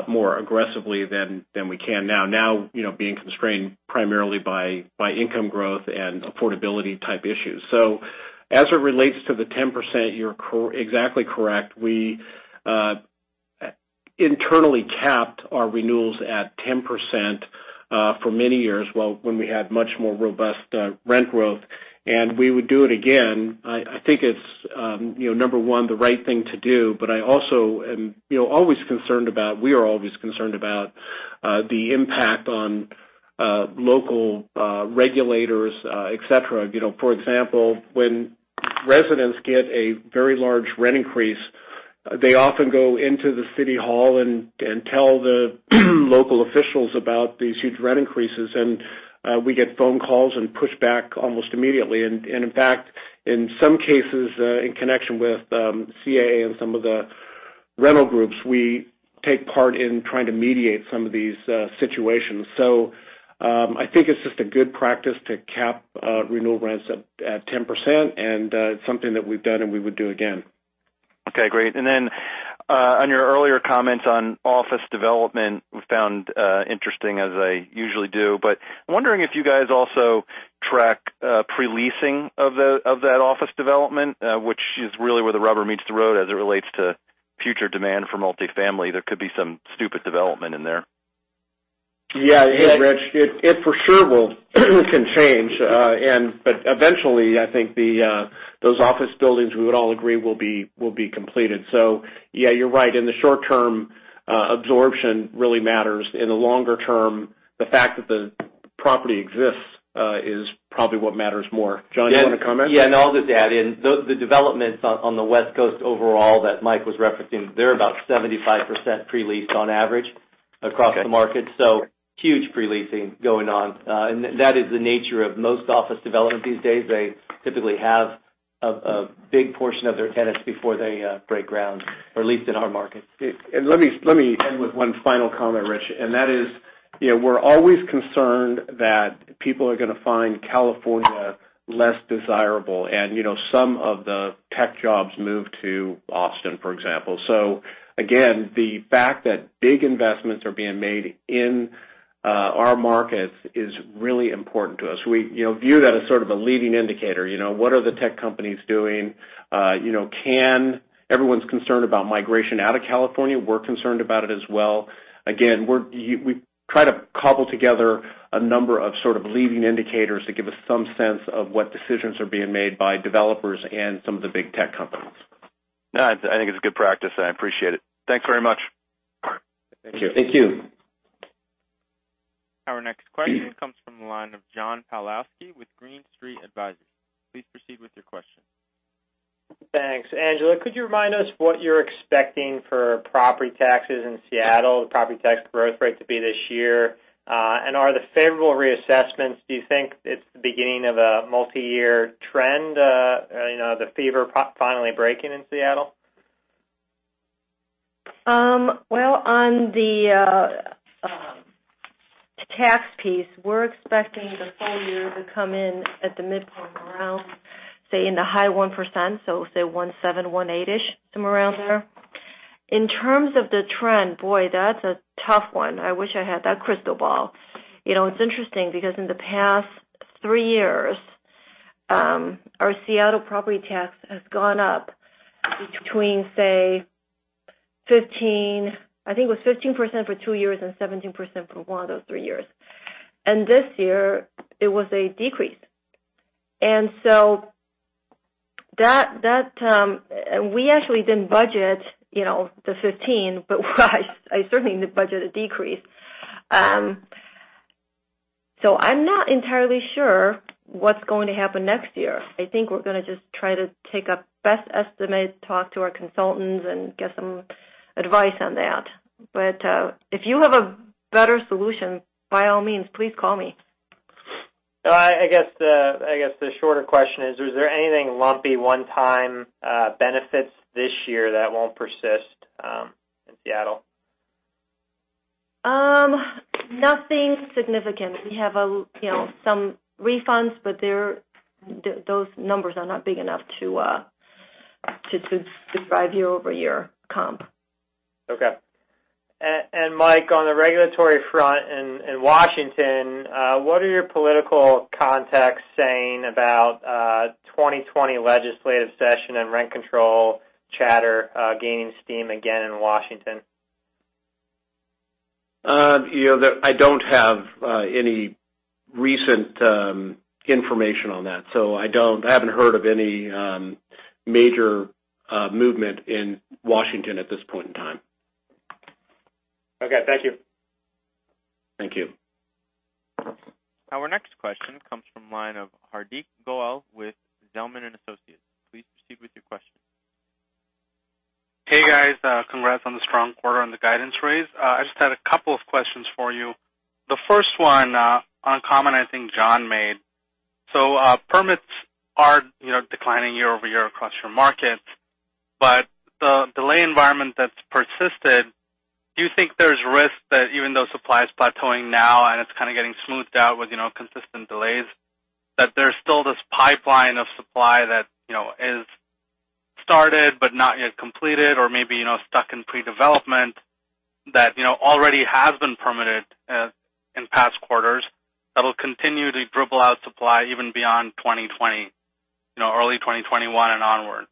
more aggressively than we can now. Now, being constrained primarily by income growth and affordability-type issues. As it relates to the 10%, you're exactly correct. We internally capped our renewals at 10% for many years when we had much more robust rent growth, and we would do it again. I think it's, number one, the right thing to do. I also am always concerned about, we are always concerned about, the impact on local regulators, et cetera. For example, when residents get a very large rent increase, they often go into the city hall and tell the local officials about these huge rent increases, and we get phone calls and pushback almost immediately. In fact, in some cases, in connection with CAA and some of the rental groups, we take part in trying to mediate some of these situations. I think it's just a good practice to cap renewal rents at 10%, and it's something that we've done and we would do again.
Okay, great. On your earlier comments on office development, we found interesting, as I usually do. I'm wondering if you guys also track pre-leasing of that office development, which is really where the rubber meets the road as it relates to future demand for multifamily. There could be some spec development in there.
Yeah. Rich, it for sure will can change. Eventually, I think those office buildings, we would all agree, will be completed. So yeah, you're right. In the short term, absorption really matters. In the longer term, the fact that the property exists is probably what matters more. John, do you want to comment?
Yeah, I'll just add in. The developments on the West Coast overall that Mike was referencing, they're about 75% pre-leased on average across the market.
Okay.
Huge pre-leasing going on. That is the nature of most office development these days. They typically have a big portion of their tenants before they break ground, or at least in our market.
Let me end with one final comment, Rich, and that is, we're always concerned that people are going to find California less desirable and some of the tech jobs move to Austin, for example. So again the fact that big investments are being made in our markets is really important to us. We view that as sort of a leading indicator. What are the tech companies doing? Everyone's concerned about migration out of California. We're concerned about it as well. We try to cobble together a number of sort of leading indicators to give us some sense of what decisions are being made by developers and some of the big tech companies.
No, I think it's a good practice. I appreciate it. Thanks very much.
Thank you.
Thank you.
Our next question comes from the line of John Pawlowski with Green Street Advisors. Please proceed with your question.
Thanks. Angela, could you remind us what you're expecting for property taxes in Seattle, the property tax growth rate to be this year? Are the favorable reassessments, do you think it's the beginning of a multi-year trend, the fever finally breaking in Seattle?
Well, on the tax piece, we're expecting the full year to come in at the midpoint around, say in the high 1%, so say 1.7, 1.8-ish, somewhere around there. In terms of the trend, boy, that's a tough one. I wish I had that crystal ball. It's interesting because in the past three years, our Seattle property tax has gone up between, say, I think it was 15% for two years and 17% for one of those three years. This year, it was a decrease. And so, that, we actually didn't budget the 15, but I certainly didn't budget a decrease. I'm not entirely sure what's going to happen next year. I think we're going to just try to take a best estimate, talk to our consultants, and get some advice on that. If you have a better solution, by all means, please call me.
I guess the shorter question is there anything lumpy, one-time benefits this year that won't persist in Seattle?
Nothing significant. We have some refunds, those numbers are not big enough to drive year-over-year comp.
Okay. And Michael, on the regulatory front in Washington, what are your political contacts saying about 2020 legislative session and rent control chatter gaining steam again in Washington?
I don't have any recent information on that, so I haven't heard of any major movement in Washington at this point in time.
Okay, thank you.
Thank you.
Our next question comes from the line of Hardik Goel with Zelman & Associates. Please proceed with your question.
Hey, guys. Congrats on the strong quarter on the guidance raise. I just had a couple of questions for you. The first one on a comment I think John made. Permits are declining year-over-year across your market, but the delay environment that's persisted, do you think there's risk that even though supply is plateauing now and it's kind of getting smoothed out with consistent delays, that there's still this pipeline of supply that is started but not yet completed, or maybe stuck in pre-development that already has been permitted in past quarters that'll continue to dribble out supply even beyond 2020, early 2021 and onwards?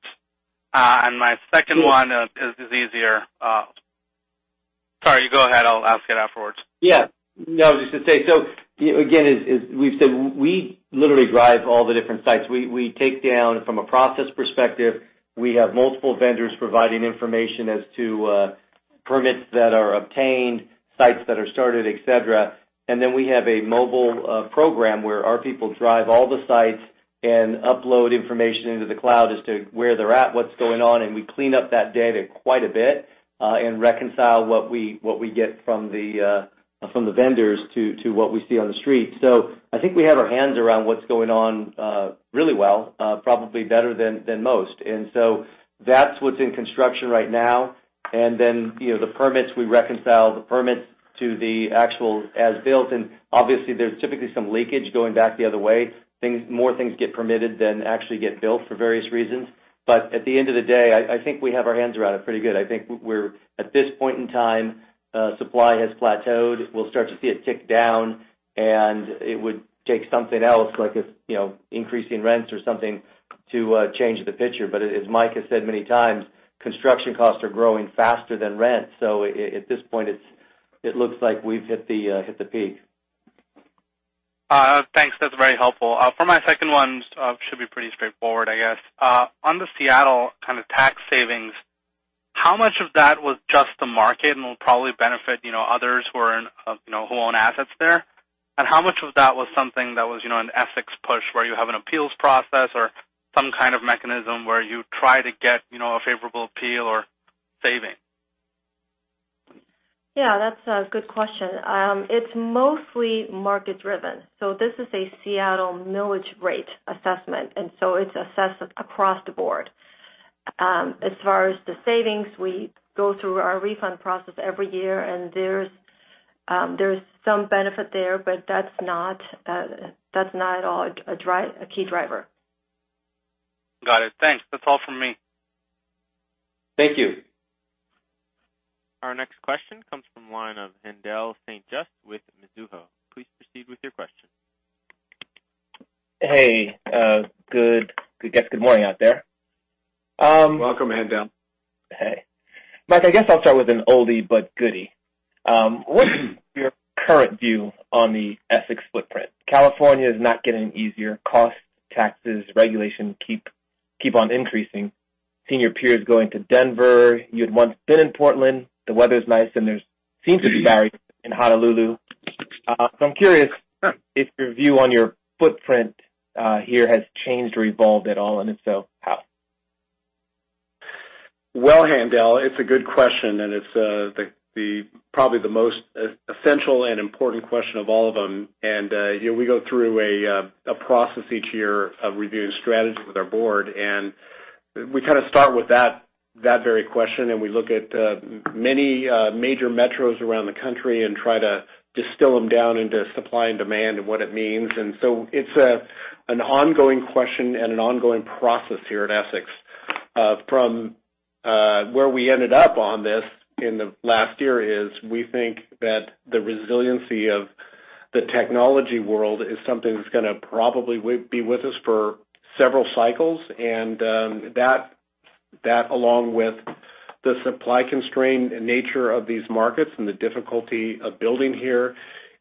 My second one is easier. Sorry, you go ahead. I'll ask it afterwards.
No, I was just going to say, again, as we've said, we literally drive all the different sites. We take down from a process perspective, we have multiple vendors providing information as to permits that are obtained, sites that are started, et cetera. Then we have a mobile program where our people drive all the sites and upload information into the cloud as to where they're at, what's going on, and we clean up that data quite a bit, and reconcile what we get from the vendors to what we see on the street. So I think we have our hands around what's going on, really well, probably better than most. That's what's in construction right now. Then the permits, we reconcile the permits to the actual as-built, and obviously there's typically some leakage going back the other way. More things get permitted than actually get built for various reasons. At the end of the day, I think we have our hands around it pretty good. I think we're at this point in time, supply has plateaued. We'll start to see it tick down, and it would take something else like if increasing rents or something to change the picture. As Michael has said many times, construction costs are growing faster than rents. At this point, it looks like we've hit the peak.
Thanks. That's very helpful. For my second one, should be pretty straightforward, I guess. On the Seattle kind of tax savings, how much of that was just the market and will probably benefit others who own assets there? How much of that was something that was an Essex push where you have an appeals process or some kind of mechanism where you try to get a favorable appeal or saving?
Yeah, that's a good question. It's mostly market-driven. This is a Seattle millage rate assessment, and so it's assessed across the board. As far as the savings, we go through our refund process every year, and there's some benefit there, but that's not at all a key driver.
Got it. Thanks. That's all from me.
Thank you.
Our next question comes from the line of Haendel St. Juste with Mizuho. Please proceed with your question.
Hey. I guess good morning out there.
Welcome, Haendel.
Hey. Michael, I guess I'll start with an oldie but goodie. What is your current view on the Essex footprint? California is not getting easier. Costs, taxes, regulation keep on increasing. Seeing your peers going to Denver. You had once been in Portland. The weather's nice, and there seems to be in Honolulu. I'm curious if your view on your footprint here has changed or evolved at all, and if so, how?
Well, Haendel, it's a good question, and it's probably the most essential and important question of all of them. We go through a process each year of reviewing strategy with our board, and we kind of start with that very question, and we look at many major metros around the country and try to distill them down into supply and demand and what it means. It's an ongoing question and an ongoing process here at Essex. From where we ended up on this in the last year is we think that the resiliency of the technology world is something that's going to probably be with us for several cycles. That along with the supply-constrained nature of these markets and the difficulty of building here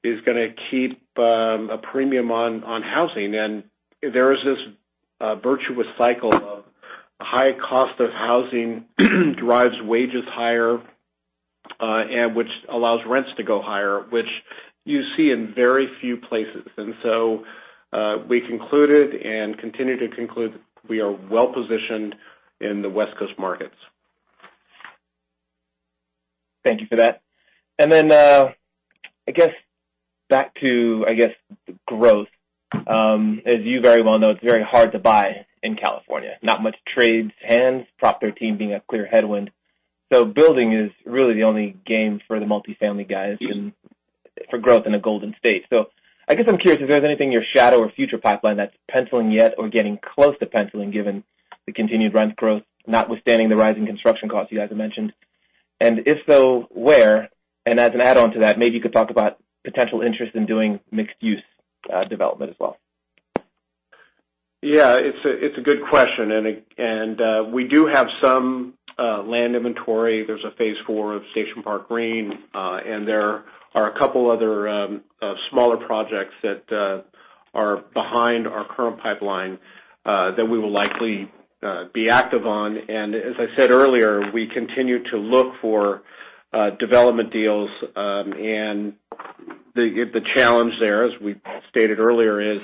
is going to keep a premium on housing. There is this virtuous cycle of high cost of housing drives wages higher, which allows rents to go higher, which you see in very few places. We concluded and continue to conclude we are well-positioned in the West Coast markets.
Thank you for that. And i guess back to growth. As you very well know, it's very hard to buy in California, not much trades hands, Prop 13 being a clear headwind. Building is really the only game for the multifamily guys and for growth in the Golden State. I guess I'm curious if there's anything in your shadow or future pipeline that's penciling yet or getting close to penciling, given the continued rent growth, notwithstanding the rising construction costs you guys have mentioned. If so, where? As an add-on to that, maybe you could talk about potential interest in doing mixed-use development as well.
Yeah, it's a good question. We do have some land inventory. There's a Phase IV of Station Park Green, and there are a couple other smaller projects that are behind our current pipeline, that we will likely be active on. As I said earlier, we continue to look for development deals. The challenge there, as we stated earlier, is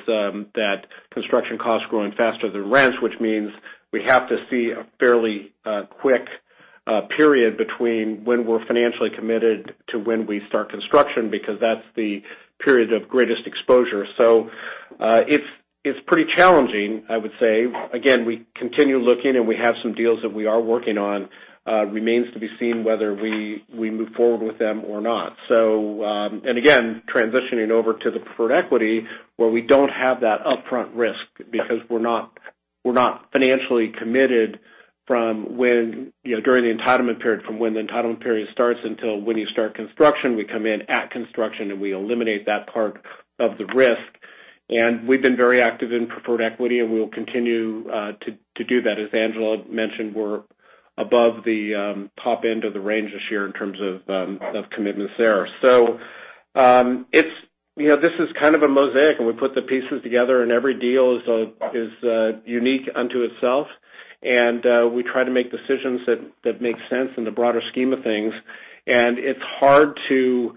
that construction costs are growing faster than rents, which means we have to see a fairly quick period between when we're financially committed to when we start construction, because that's the period of greatest exposure. So it's pretty challenging, I would say. Again, we continue looking, and we have some deals that we are working on. Remains to be seen whether we move forward with them or not. Again, transitioning over to the preferred equity where we don't have that upfront risk because we're not financially committed during the entitlement period, from when the entitlement period starts until when you start construction. We come in at construction, we eliminate that part of the risk. We've been very active in preferred equity, and we will continue to do that. As Angela mentioned, we're above the top end of the range this year in terms of commitments there. This is kind of a mosaic, we put the pieces together, every deal is unique unto itself. And we try to make decisions that make sense in the broader scheme of things. It's hard to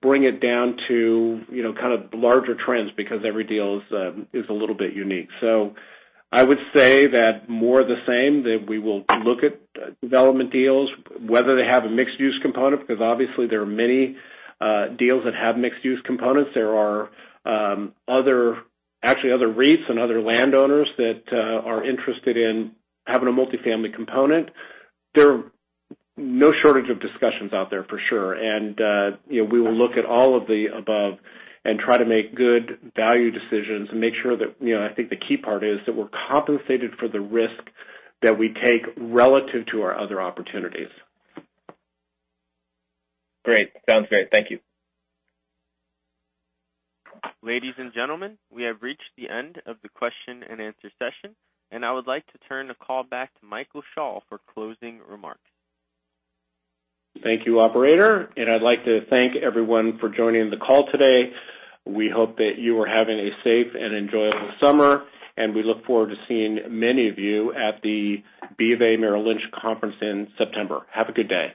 bring it down to kind of larger trends because every deal is a little bit unique. I would say that more of the same, that we will look at development deals, whether they have a mixed-use component, because obviously there are many deals that have mixed-use components. There are actually other REITs and other landowners that are interested in having a multifamily component. There are no shortage of discussions out there for sure. We will look at all of the above and try to make good value decisions and make sure I think the key part is that we're compensated for the risk that we take relative to our other opportunities.
Great. Sounds great. Thank you.
Ladies and gentlemen, we have reached the end of the question-and-answer session, and I would like to turn the call back to Michael Schall for closing remarks.
Thank you, operator, and I'd like to thank everyone for joining the call today. We hope that you are having a safe and enjoyable summer, and we look forward to seeing many of you at the BofA Merrill Lynch conference in September. Have a good day.